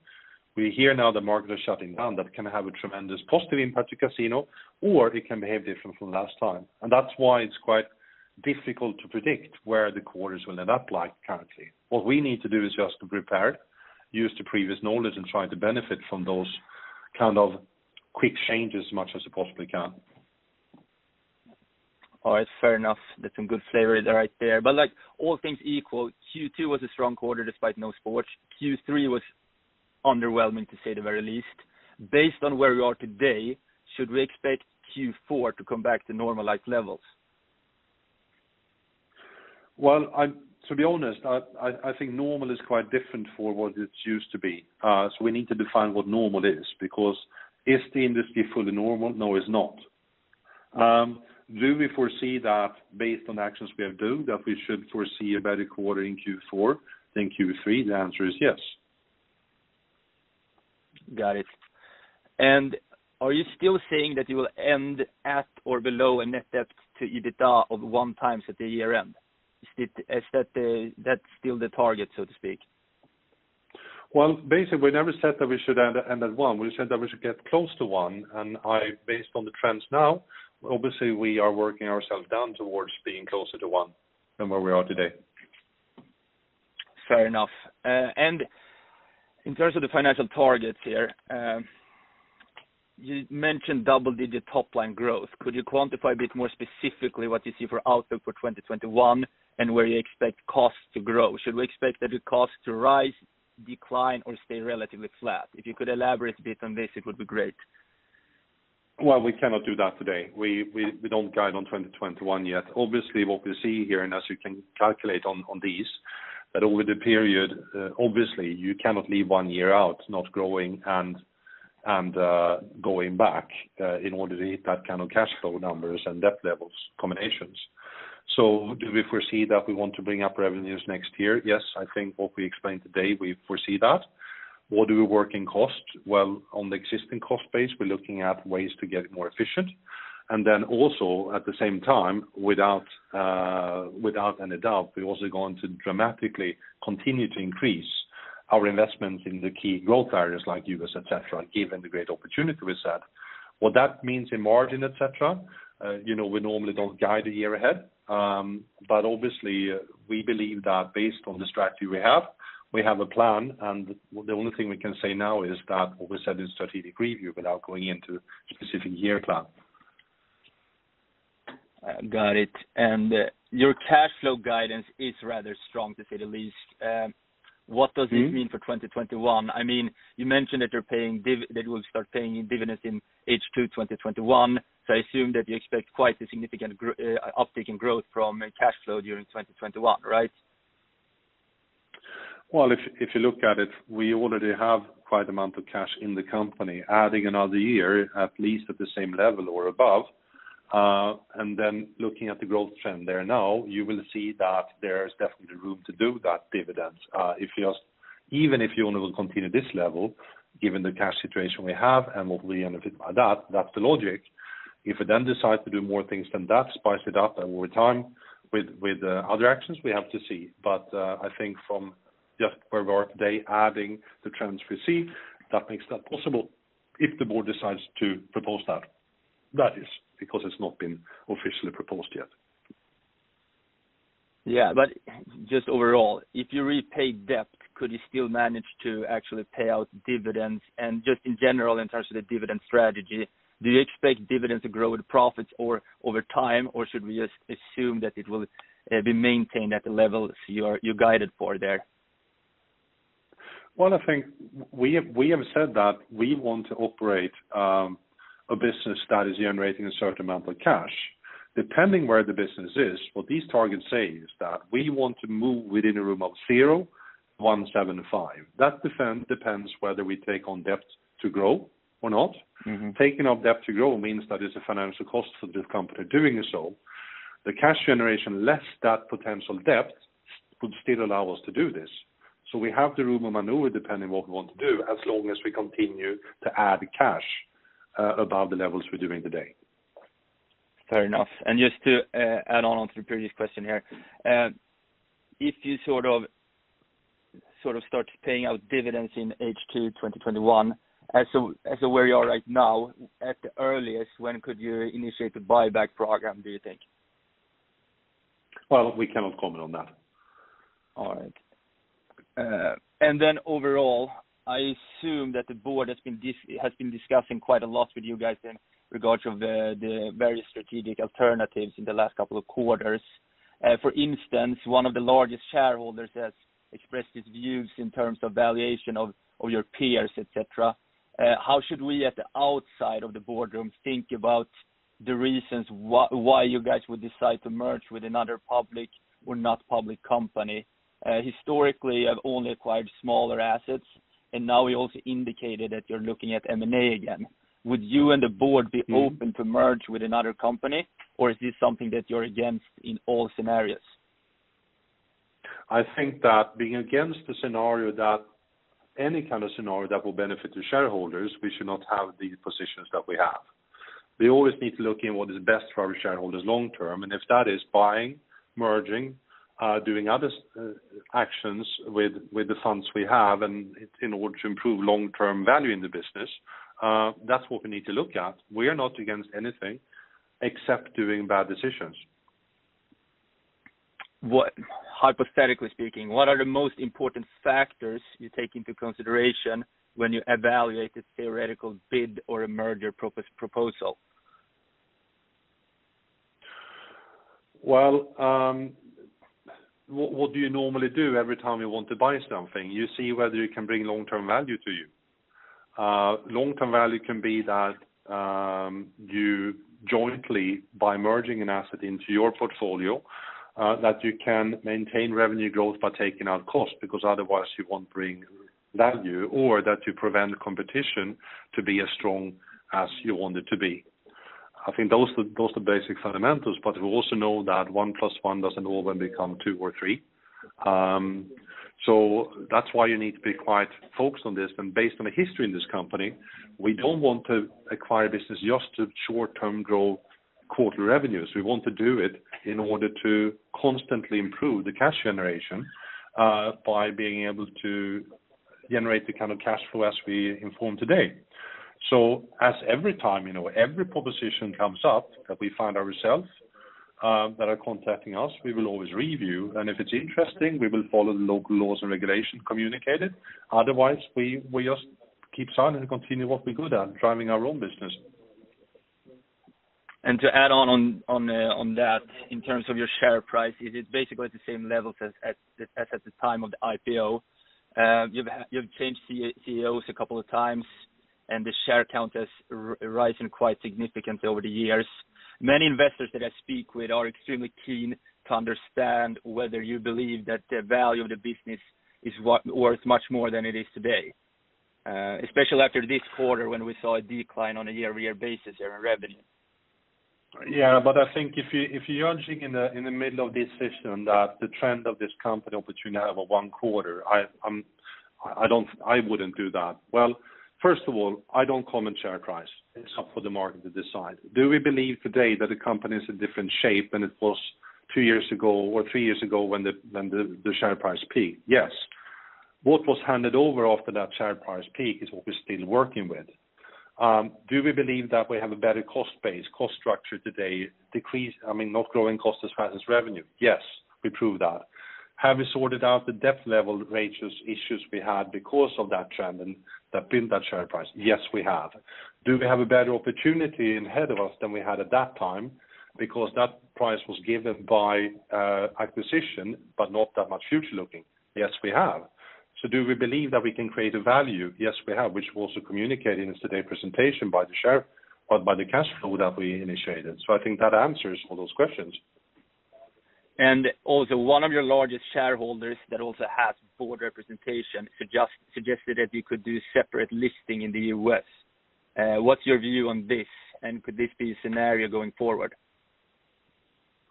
We hear now the markets are shutting down. That can have a tremendous positive impact to casino, it can behave different from last time. That's why it's quite difficult to predict where the quarters will end up like currently. What we need to do is just to prepare, use the previous knowledge, and try to benefit from those kind of quick change as much as we possibly can. All right. Fair enough. There's some good flavor right there. All things equal, Q2 was a strong quarter despite no sports. Q3 was underwhelming, to say the very least. Based on where we are today, should we expect Q4 to come back to normalized levels? Well, to be honest, I think normal is quite different for what it used to be. We need to define what normal is, because is the industry fully normal? No, it's not. Do we foresee that based on actions we have took, that we should foresee a better quarter in Q4 than Q3? The answer is yes. Got it. Are you still saying that you will end at or below a net debt to EBITDA of 1x at the year-end? Is that still the target, so to speak? Well, basically, we never said that we should end at one. We said that we should get close to one. Based on the trends now, obviously, we are working ourselves down towards being closer to one than where we are today. Fair enough. In terms of the financial targets here, you mentioned double-digit top-line growth. Could you quantify a bit more specifically what you see for outlook for 2021 and where you expect costs to grow? Should we expect the costs to rise, decline, or stay relatively flat? If you could elaborate a bit on this, it would be great. Well, we cannot do that today. We don't guide on 2021 yet. Obviously, what we see here, and as you can calculate on these, that over the period, obviously, you cannot leave one year out not growing and going back, in order to hit that kind of cash flow numbers and debt levels combinations. Do we foresee that we want to bring up revenues next year? Yes, I think what we explained today, we foresee that. What do we work in cost? Well, on the existing cost base, we're looking at ways to get more efficient. Then also at the same time, without any doubt, we're also going to dramatically continue to increase our investment in the key growth areas like U.S., et cetera, given the great opportunity with that. What that means in margin, et cetera, we normally don't guide a year ahead. Obviously, we believe that based on the strategy we have, we have a plan, and the only thing we can say now is that what we said in strategic review without going into specific year plan. Got it. Your cash flow guidance is rather strong, to say the least. What does this mean for 2021? You mentioned that you will start paying dividends in H2 2021. I assume that you expect quite a significant uptick in growth from cash flow during 2021, right? Well, if you look at it, we already have quite amount of cash in the company, adding another year at least at the same level or above. Looking at the growth trend there now, you will see that there is definitely room to do that dividends. Even if you only will continue this level, given the cash situation we have and what we benefit by that's the logic. If we then decide to do more things than that, spice it up over time with other actions, we have to see. I think from just where we are today, adding the transparency, that makes that possible if the board decides to propose that. That is because it's not been officially proposed yet. Yeah. Just overall, if you repay debt, could you still manage to actually pay out dividends? Just in general, in terms of the dividend strategy, do you expect dividends to grow with profits or over time, or should we just assume that it will be maintained at the level you guided for there? Well, I think we have said that we want to operate a business that is generating a certain amount of cash. Depending where the business is, what these targets say is that we want to move within a room of 0-175. That depends whether we take on debt to grow or not. Taking on debt to grow means that there's a financial cost for this company doing so. The cash generation, less that potential debt, would still allow us to do this. We have the room to maneuver depending what we want to do, as long as we continue to add cash above the levels we're doing today. Fair enough. Just to add on to the previous question here, if you start paying out dividends in H2 2021, as of where you are right now, at the earliest, when could you initiate the buyback program, do you think? Well, we cannot comment on that. Overall, I assume that the board has been discussing quite a lot with you guys in regards of the various strategic alternatives in the last couple of quarters. For instance, one of the largest shareholders has expressed his views in terms of valuation of your peers, et cetera. How should we, at the outside of the boardroom, think about the reasons why you guys would decide to merge with another public or not public company? Historically, you have only acquired smaller assets, and now we also indicated that you're looking at M&A again. Would you and the board be open to merge with another company? Or is this something that you're against in all scenarios? I think that being against any kind of scenario that will benefit the shareholders, we should not have the positions that we have. We always need to look at what is best for our shareholders long-term, and if that is buying, merging, doing other actions with the funds we have in order to improve long-term value in the business, that's what we need to look at. We are not against anything except doing bad decisions. Hypothetically speaking, what are the most important factors you take into consideration when you evaluate a theoretical bid or a merger proposal? Well, what do you normally do every time you want to buy something? You see whether it can bring long-term value to you. Long-term value can be that you jointly, by merging an asset into your portfolio, that you can maintain revenue growth by taking out cost, because otherwise you won't bring value, or that you prevent the competition to be as strong as you want it to be. I think those are basic fundamentals, but we also know that one plus one doesn't always become two or three. That's why you need to be quite focused on this. Based on the history in this company, we don't want to acquire business just to short-term grow quarterly revenues. We want to do it in order to constantly improve the cash generation, by being able to generate the kind of cash flow as we inform today. As every time, every proposition comes up that we find ourselves, that are contacting us, we will always review, and if it’s interesting, we will follow local laws and regulations communicated. Otherwise, we just keep silent and continue what we’re good at, driving our own business. To add on that, in terms of your share price, it is basically at the same levels as at the time of the IPO. You've changed CEOs a couple of times, and the share count has risen quite significantly over the years. Many investors that I speak with are extremely keen to understand whether you believe that the value of the business is worth much more than it is today. Especially after this quarter, when we saw a decline on a year-over-year basis there in revenue. I think if you're judging in the middle of this session that the trend of this company, which you now have a one quarter, I wouldn't do that. Well, first of all, I don't comment share price. It's up for the market to decide. Do we believe today that the company is a different shape than it was two years ago or three years ago when the share price peaked? Yes. What was handed over after that share price peak is what we're still working with. Do we believe that we have a better cost base, cost structure today, not growing cost as fast as revenue? Yes, we prove that. Have we sorted out the debt level related issues we had because of that trend and that built that share price? Yes, we have. Do we have a better opportunity ahead of us than we had at that time because that price was given by acquisition, but not that much future-looking? Yes, we have. Do we believe that we can create a value? Yes, we have, which we also communicated in today's presentation by the cash flow that we initiated. I think that answers all those questions. Also one of your largest shareholders that also has board representation suggested that you could do separate listing in the U.S. What's your view on this, and could this be a scenario going forward?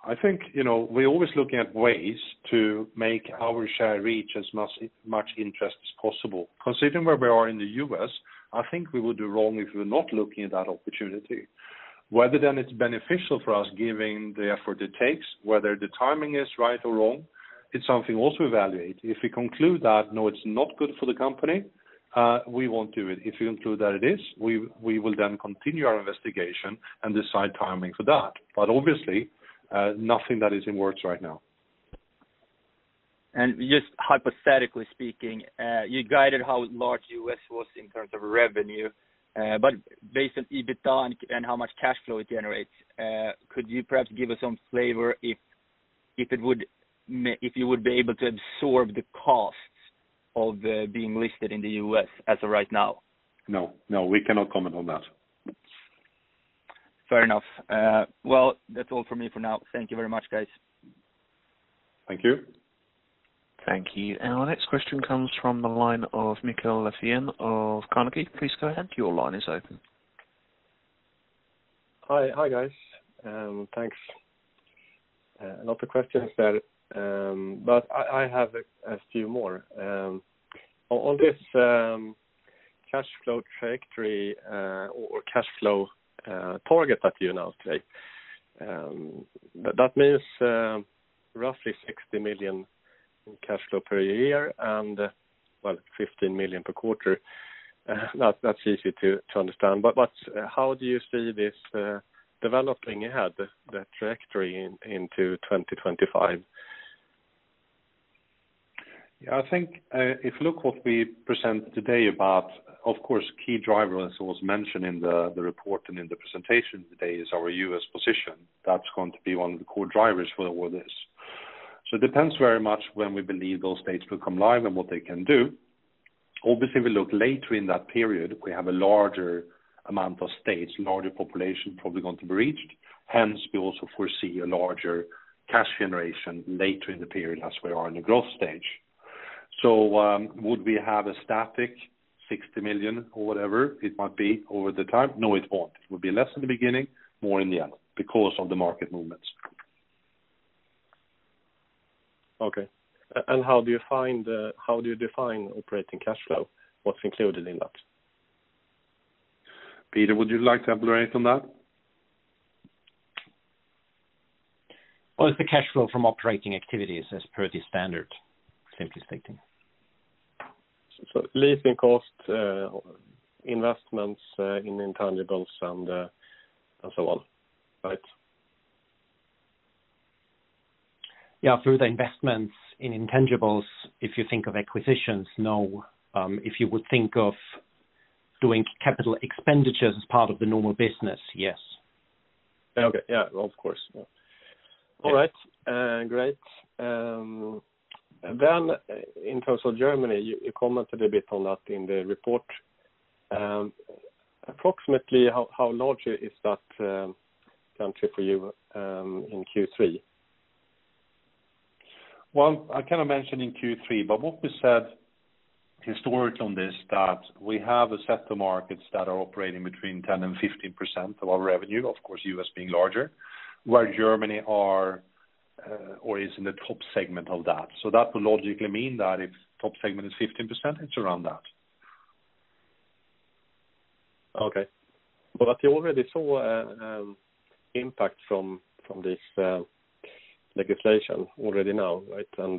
I think, we're always looking at ways to make our share reach as much interest as possible. Considering where we are in the U.S., I think we would do wrong if we're not looking at that opportunity. Whether then it's beneficial for us, given the effort it takes, whether the timing is right or wrong, it's something also we evaluate. If we conclude that, no, it's not good for the company, we won't do it. If we conclude that it is, we will then continue our investigation and decide timing for that. Obviously, nothing that is in works right now. Just hypothetically speaking, you guided how large U.S. was in terms of revenue, but based on EBITDA and how much cash flow it generates, could you perhaps give us some flavor if you would be able to absorb the costs of being listed in the U.S. as of right now? No. We cannot comment on that. Fair enough. Well, that's all from me for now. Thank you very much, guys. Thank you. Thank you. Our next question comes from the line of Mikael Laséen of Carnegie. Please go ahead. Hi guys, thanks. Not a question, Per, I have a few more. On this cash flow trajectory or cash flow target that you announced today, that means roughly 60 million in cash flow per year, well, 15 million per quarter. That's easy to understand, how do you see this developing ahead, the trajectory into 2025? Yeah, I think if you look what we present today about, of course, key drivers, as was mentioned in the report and in the presentation today, is our U.S. position. That's going to be one of the core drivers for all this. It depends very much when we believe those states will come live and what they can do. Obviously, we look later in that period, we have a larger amount of states, larger population probably going to be reached. Hence, we also foresee a larger cash generation later in the period as we are in the growth stage. Would we have a static 60 million or whatever it might be over the time? No, it won't. It would be less in the beginning, more in the end because of the market movements. Okay. How do you define operating cash flow? What's included in that? Peter, would you like to elaborate on that? Well, it's the cash flow from operating activities as per the standard, simply stating. Leasing cost, investments in intangibles, and so on, right? Yeah. Through the investments in intangibles, if you think of acquisitions, no. If you would think of doing capital expenditures as part of the normal business, yes. Okay. Yeah, of course. All right, great. In terms of Germany, you commented a bit on that in the report. Approximately how large is that country for you in Q3? I cannot mention in Q3, but what we said historically on this, that we have a set of markets that are operating between 10% and 15% of our revenue, of course, U.S. being larger, where Germany is in the top segment of that. That will logically mean that if top segment is 15%, it's around that. You already saw impact from this legislation already now, right? And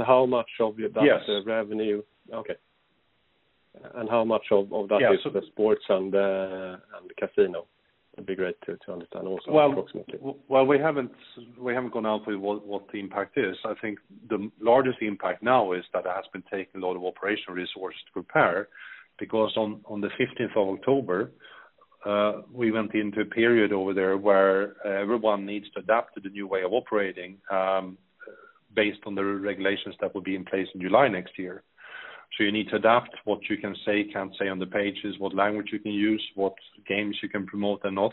how much of that revenue? Yes. Okay. how much of that is the sports and the casino? It'd be great to understand also, approximately. We haven't gone out with what the impact is. I think the largest impact now is that it has been taking a lot of operational resources to prepare, because on the 15th of October, we went into a period over there where everyone needs to adapt to the new way of operating based on the regulations that will be in place in July next year. You need to adapt what you can say, can't say on the pages, what language you can use, what games you can promote and not.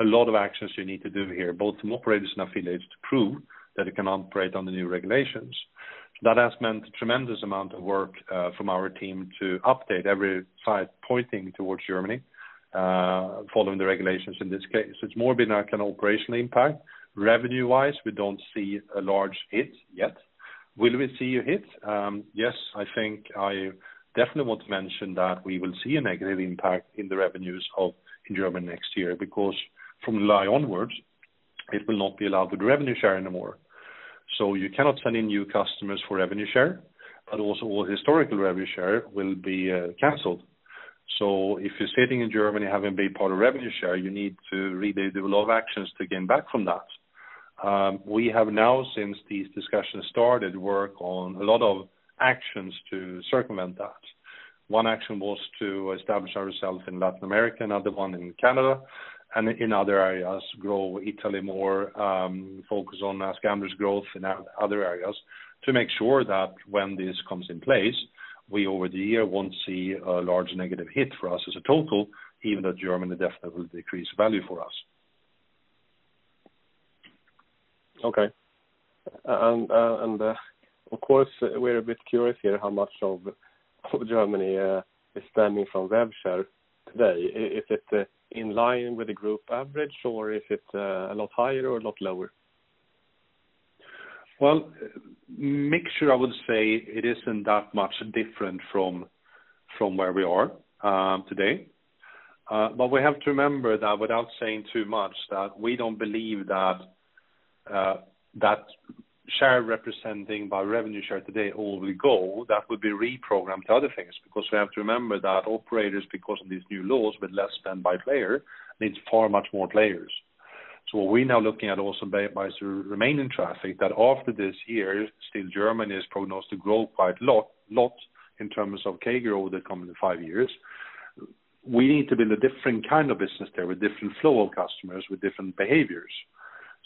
A lot of actions you need to do here, both from operators and affiliates to prove that it can operate on the new regulations. That has meant tremendous amount of work from our team to update every site pointing towards Germany, following the regulations in this case. It's more been an operational impact. Revenue-wise, we don't see a large hit yet. Will we see a hit? Yes, I think I definitely want to mention that we will see a negative impact in the revenues in Germany next year, because from July onwards, it will not be allowed with revenue share anymore. You cannot sign in new customers for revenue share, but also all historical revenue share will be canceled. If you're sitting in Germany having been part of revenue share, you need to really do a lot of actions to gain back from that. We have now, since these discussions started, work on a lot of actions to circumvent that. One action was to establish ourselves in Latin America, another one in Canada, and in other areas, grow Italy more, focus on AskGamblers growth in other areas to make sure that when this comes in place, we over the year won't see a large negative hit for us as a total, even though Germany definitely will decrease value for us. Okay. Of course, we're a bit curious here how much of Germany is stemming from rev share today. Is it in line with the group average, or is it a lot higher or a lot lower? Well, mixture, I would say it isn't that much different from where we are today. We have to remember that without saying too much, that we don't believe that share representing by revenue share today all will go, that would be reprogrammed to other things. We have to remember that operators, because of these new laws, with less spend by player, means far much more players. What we're now looking at also by remaining traffic, that after this year, still Germany is pronounced to grow quite lot in terms of CAGR the coming five years. We need to build a different kind of business there with different flow of customers with different behaviors.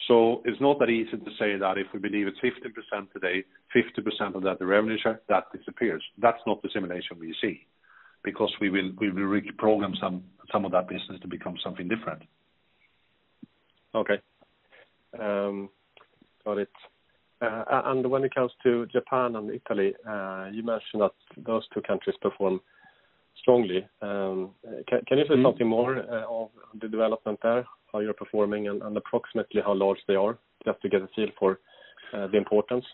It's not that easy to say that if we believe it's 50% today, 50% of that, the revenue share, that disappears. That's not the simulation we see, because we will reprogram some of that business to become something different. Okay. Got it. When it comes to Japan and Italy, you mentioned that those two countries perform strongly. Can you say something more of the development there, how you're performing and approximately how large they are, just to get a feel for the importance?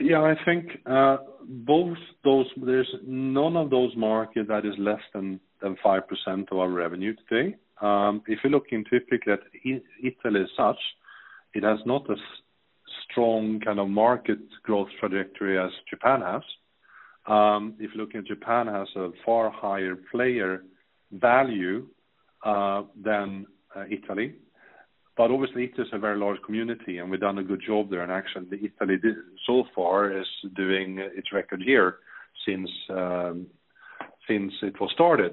Yeah, I think there's none of those markets that is less than 5% of our revenue today. If you look typically at Italy as such, it has not a strong kind of market growth trajectory as Japan has. If you look at Japan has a far higher player value than Italy. Obviously Italy is a very large community and we've done a good job there and actually Italy so far is doing its record year since it was started.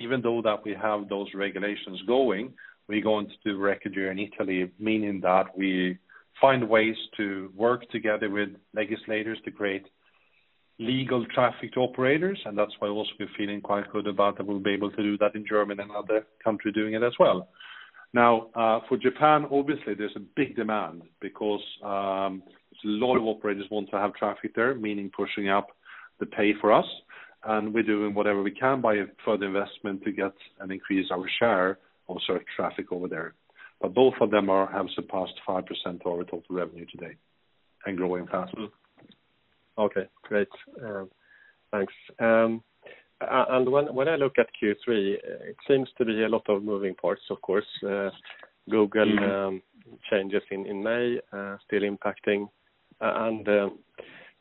Even though that we have those regulations going, we're going to do record year in Italy, meaning that we find ways to work together with legislators to create legal traffic to operators. That's why also we're feeling quite good about that we'll be able to do that in Germany and other country doing it as well. Now, for Japan, obviously there's a big demand because, there's a lot of operators want to have traffic there, meaning pushing up the pay for us, and we're doing whatever we can by further investment to get and increase our share of search traffic over there. Both of them have surpassed 5% of our total revenue today and growing fast. Okay, great. Thanks. When I look at Q3, it seems to be a lot of moving parts, of course. Google changes in May are still impacting and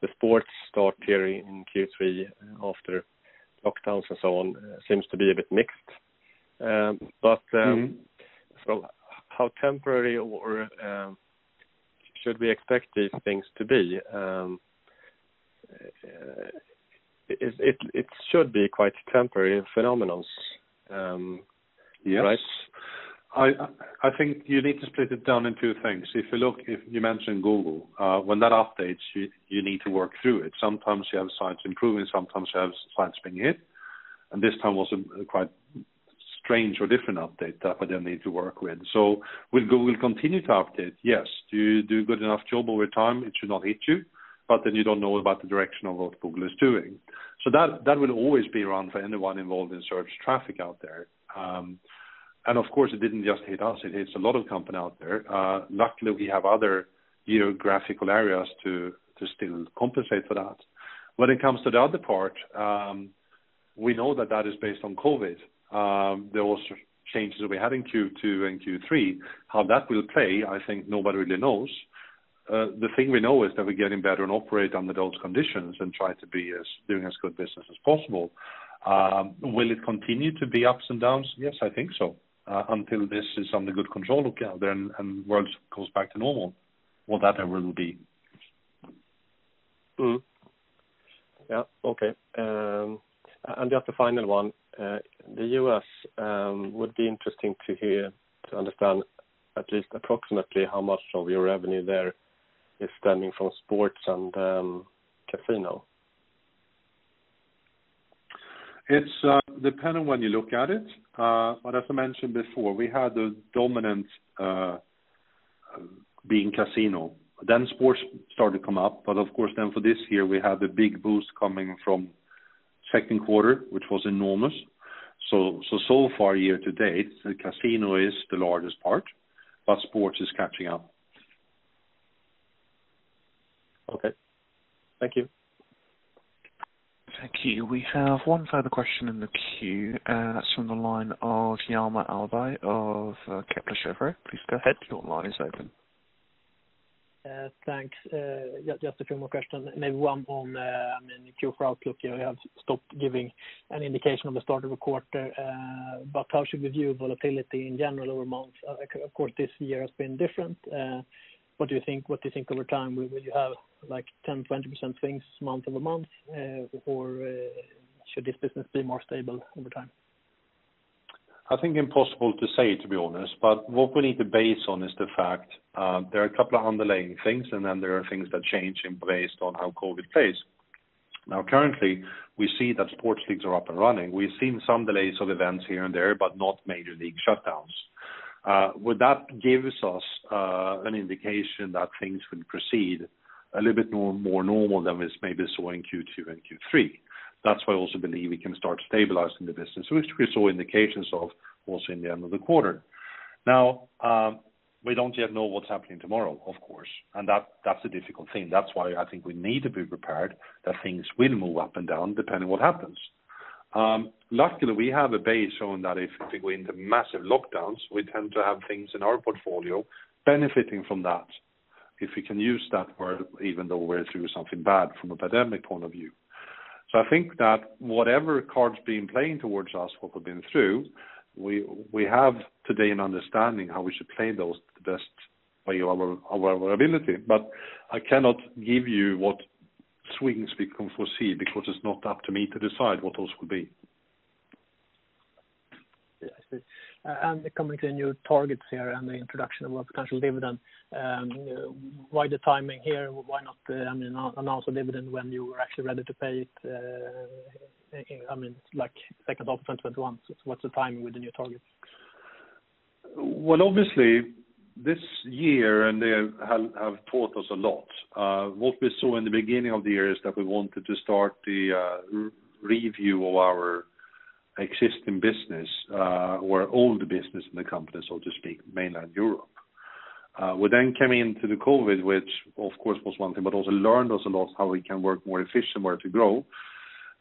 the sports start here in Q3 after lockdowns and so on, seems to be a bit mixed. How temporary or should we expect these things to be? It should be quite temporary phenomenons, right? Yes. I think you need to split it down in two things. If you mentioned Google, when that updates, you need to work through it. Sometimes you have sites improving, sometimes you have sites being hit, and this time was a quite strange or different update that we then need to work with. Will Google continue to update? Yes. Do you do good enough job over time, it should not hit you, but then you don't know about the direction of what Google is doing. That will always be around for anyone involved in search traffic out there. Of course, it didn't just hit us. It hits a lot of companies out there. Luckily, we have other geographical areas to still compensate for that. When it comes to the other part, we know that that is based on COVID. There were changes that we had in Q2 and Q3. How that will play, I think nobody really knows. The thing we know is that we're getting better and operate under those conditions and try to be as doing as good business as possible. Will it continue to be ups and downs? Yes, I think so. Until this is under good control again, then, and world goes back to normal, whatever will be. Yeah. Okay. Just a final one. The U.S., would be interesting to hear, to understand at least approximately how much of your revenue there is stemming from sports and casino? It's dependent when you look at it. As I mentioned before, we had a dominant being casino, then sports started to come up. Of course then for this year, we had a big boost coming from second quarter, which was enormous. So far year-to-date, the casino is the largest part, but sports is catching up. Okay. Thank you. Thank you. We have one further question in the queue, it's from the line of Hjalmar Ahlberg of Kepler Cheuvreux. Please go ahead. Your line is open. Thanks. Just a few more questions. Maybe one on, in the Q4 outlook, you have stopped giving an indication of the start of a quarter. How should we view volatility in general over months? Of course, this year has been different. What do you think over time, will you have 10%, 20% swings month-over-month? Should this business be more stable over time? I think impossible to say, to be honest. What we need to base on is the fact, there are a couple of underlying things, and then there are things that change in based on how COVID plays. Currently, we see that sports leagues are up and running. We've seen some delays of events here and there, but not major league shutdowns. With that gives us an indication that things will proceed a little bit more normal than we maybe saw in Q2 and Q3. That's why I also believe we can start stabilizing the business, which we saw indications of also in the end of the quarter. We don't yet know what's happening tomorrow, of course. That's a difficult thing. That's why I think we need to be prepared that things will move up and down depending what happens. Luckily, we have a base on that if we go into massive lockdowns, we tend to have things in our portfolio benefiting from that, if we can use that word, even though we're through something bad from a pandemic point of view. I think that whatever card's been playing towards us, what we've been through, we have today an understanding how we should play those the best by our ability. I cannot give you what swings we can foresee because it's not up to me to decide what those could be. Yeah, I see. Coming to the new targets here and the introduction of our potential dividend, why the timing here? Why not announce a dividend when you were actually ready to pay it, like second half of 2021? What's the timing with the new target? Well, obviously this year have taught us a lot. What we saw in the beginning of the year is that we wanted to start the review of our existing business, our old business in the company, so to speak, mainland Europe. We came into the COVID, which of course was one thing, but also learned us a lot how we can work more efficient, where to grow.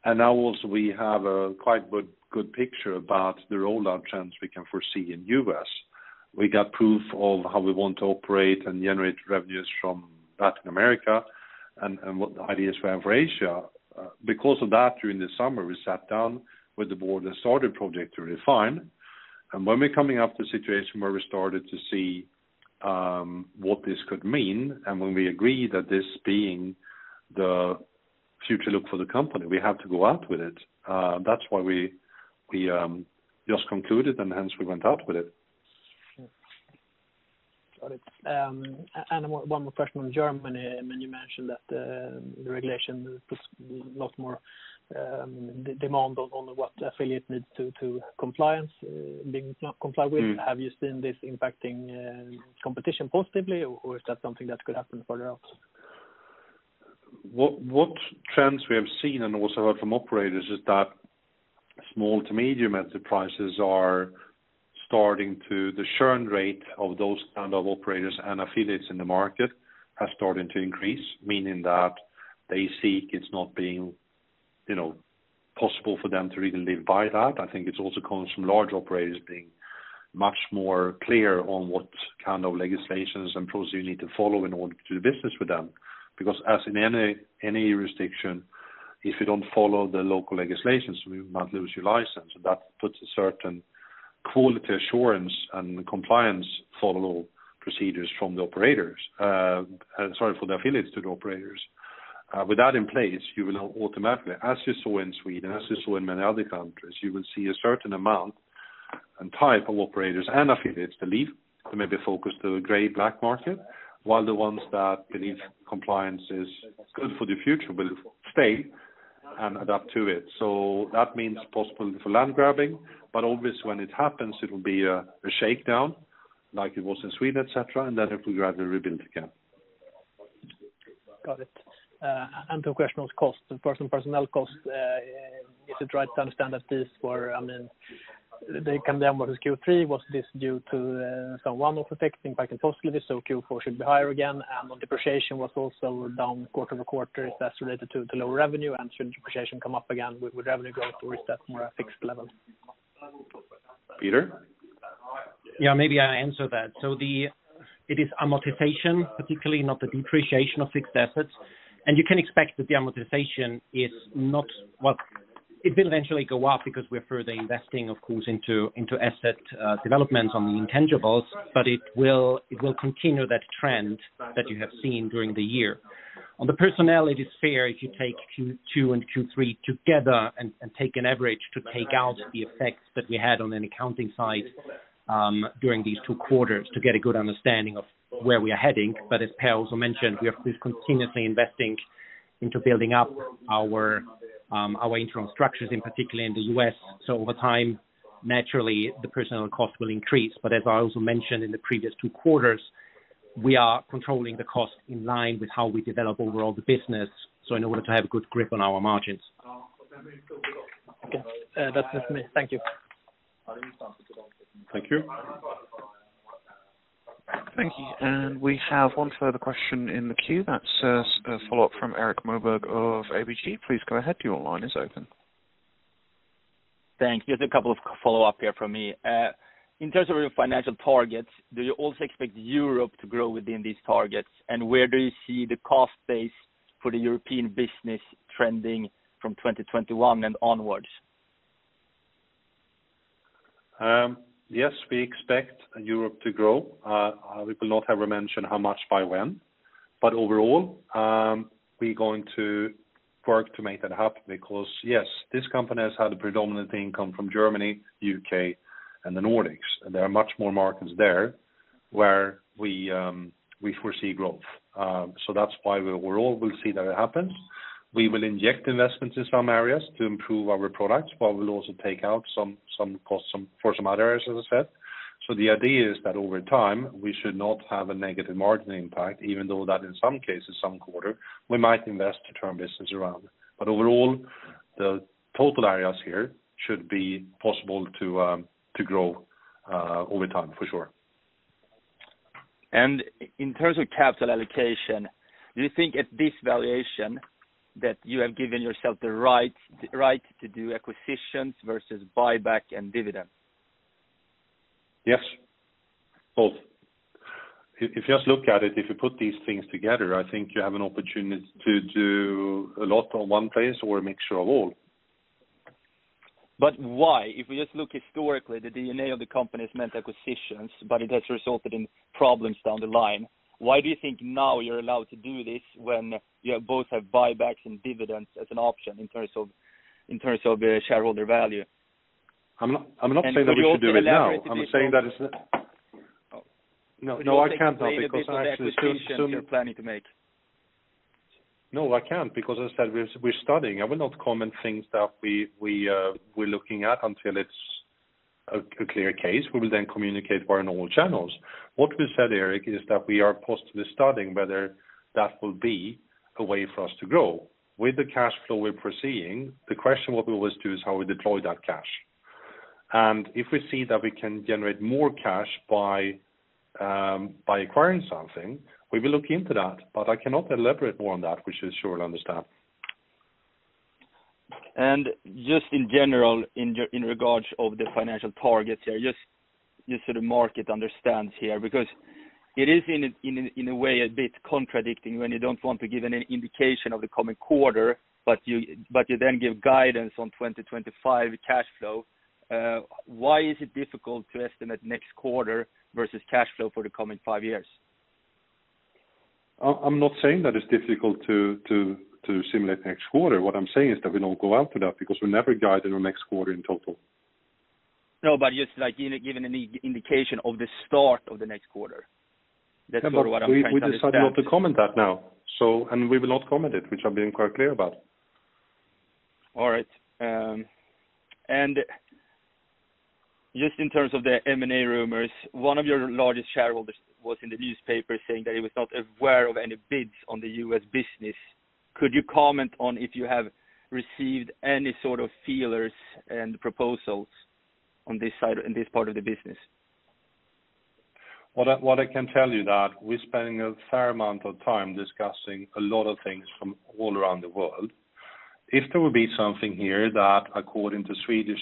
Now also we have a quite good picture about the rollout trends we can foresee in U.S. We got proof of how we want to operate and generate revenues from Latin America and what the ideas we have for Asia. Because of that, during the summer, we sat down with the board and started project to refine. When we coming up to a situation where we started to see what this could mean, and when we agreed that this being the future look for the company, we have to go out with it. That's why we just concluded and hence we went out with it. Got it. One more question on Germany. You mentioned that the regulation puts a lot more demand on what affiliate needs to comply. Have you seen this impacting competition positively or is that something that could happen further out? What trends we have seen and also heard from operators is that small to medium enterprises the churn rate of those kind of operators and affiliates in the market has started to increase, meaning that they seek it's not being possible for them to really live by that. I think it also comes from large operators being much more clear on what kind of legislations and procedures you need to follow in order to do business with them. As in any jurisdiction, if you don't follow the local legislations, you might lose your license. That puts a certain quality assurance and compliance follow procedures from the affiliates to the operators. With that in place, you will now automatically, as you saw in Sweden, as you saw in many other countries, you will see a certain amount and type of operators and affiliates to leave, to maybe focus to a gray black market, while the ones that believe compliance is good for the future will stay and adapt to it. That means possibility for land grabbing, but obviously when it happens, it will be a shakedown like it was in Sweden, et cetera, and then it will gradually rebuild again. Got it. Two questions on costs. The first on personnel costs, is it right to understand that they come down versus Q3, was this due to some one-off effect impacting positively, so Q4 should be higher again? On depreciation was also down quarter-over-quarter. Is that related to the lower revenue and should depreciation come up again with revenue growth, or is that more a fixed level? Peter? Maybe I answer that. It is amortization, particularly not the depreciation of fixed assets. You can expect that the amortization, it will eventually go up because we're further investing, of course, into asset developments on the intangibles, but it will continue that trend that you have seen during the year. On the personnel, it is fair if you take Q2 and Q3 together and take an average to take out the effects that we had on an accounting side, during these two quarters to get a good understanding of where we are heading. As Per also mentioned, we are continuously investing into building up our internal structures in particular in the U.S. Over time, naturally, the personnel cost will increase. As I also mentioned in the previous two quarters, we are controlling the cost in line with how we develop overall the business, so in order to have a good grip on our margins. Okay. That's just me. Thank you. Thank you. Thank you. We have one further question in the queue. That's a follow-up from Erik Moberg of ABG. Please go ahead, your line is open. Thanks. Just a couple of follow-up here from me. In terms of your financial targets, do you also expect Europe to grow within these targets? Where do you see the cost base for the European business trending from 2021 and onwards? Yes, we expect Europe to grow. We will not ever mention how much by when, but overall, we going to work to make that happen because yes, this company has had a predominant income from Germany, U.K., and the Nordics, and there are much more markets there where we foresee growth. That's why we overall will see that it happens. We will inject investments in some areas to improve our products, but we'll also take out some costs for some other areas, as I said. The idea is that over time, we should not have a negative margin impact, even though that in some cases, some quarter, we might invest to turn business around. Overall, the total areas here should be possible to grow over time, for sure. In terms of capital allocation, do you think at this valuation that you have given yourself the right to do acquisitions versus buyback and dividend? Yes. Both. If you just look at it, if you put these things together, I think you have an opportunity to do a lot on one place or a mixture of all. Why? If we just look historically, the DNA of the company has meant acquisitions, but it has resulted in problems down the line. Why do you think now you're allowed to do this when you both have buybacks and dividends as an option in terms of shareholder value? I'm not saying that we should do it now. I'm saying that. No, I can't help because I assume. Any idea of the type of acquisitions you're planning to make? No, I can't, because as I said, we're studying. I will not comment things that we're looking at until it's a clear case. We will communicate via normal channels. What we said, Erik, is that we are positively studying whether that will be a way for us to go. With the cash flow we're foreseeing, the question what we always do is how we deploy that cash. If we see that we can generate more cash by acquiring something, we will look into that, but I cannot elaborate more on that, which you should understand. Just in general, in regards of the financial targets here, just so the market understands here, it is in a way a bit contradicting when you don't want to give any indication of the coming quarter, you then give guidance on 2025 cash flow. Why is it difficult to estimate next quarter versus cash flow for the coming five years? I'm not saying that it's difficult to simulate next quarter. What I'm saying is that we don't go out to that because we never guide on our next quarter in total. No, just like giving any indication of the start of the next quarter. That's sort of what I'm trying to understand. We decided not to comment that now. We will not comment it, which I'm being quite clear about. All right. Just in terms of the M&A rumors, one of your largest shareholders was in the newspaper saying that he was not aware of any bids on the U.S. business. Could you comment on if you have received any sort of feelers and proposals on this part of the business? What I can tell you that we're spending a fair amount of time discussing a lot of things from all around the world. If there will be something here that according to Swedish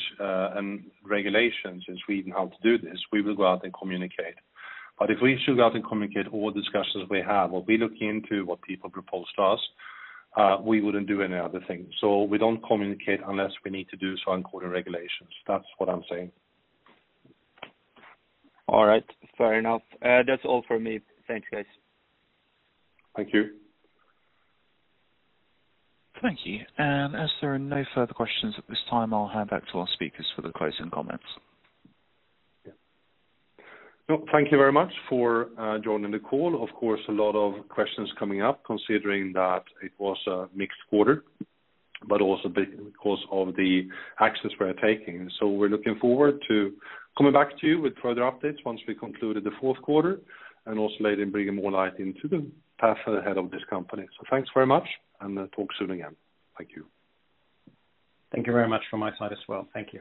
regulations, in Sweden, how to do this, we will go out and communicate. If we should go out and communicate all discussions we have, or we look into what people propose to us, we wouldn't do any other thing. We don't communicate unless we need to do so according to regulations. That's what I'm saying. All right. Fair enough. That's all for me. Thank you, guys. Thank you. Thank you. As there are no further questions at this time, I'll hand back to our speakers for the closing comments. Thank you very much for joining the call. Of course, a lot of questions coming up considering that it was a mixed quarter, but also because of the actions we're taking. We're looking forward to coming back to you with further updates once we concluded the fourth quarter, and also later bringing more light into the path ahead of this company. Thanks very much, and talk soon again. Thank you. Thank you very much from my side as well. Thank you.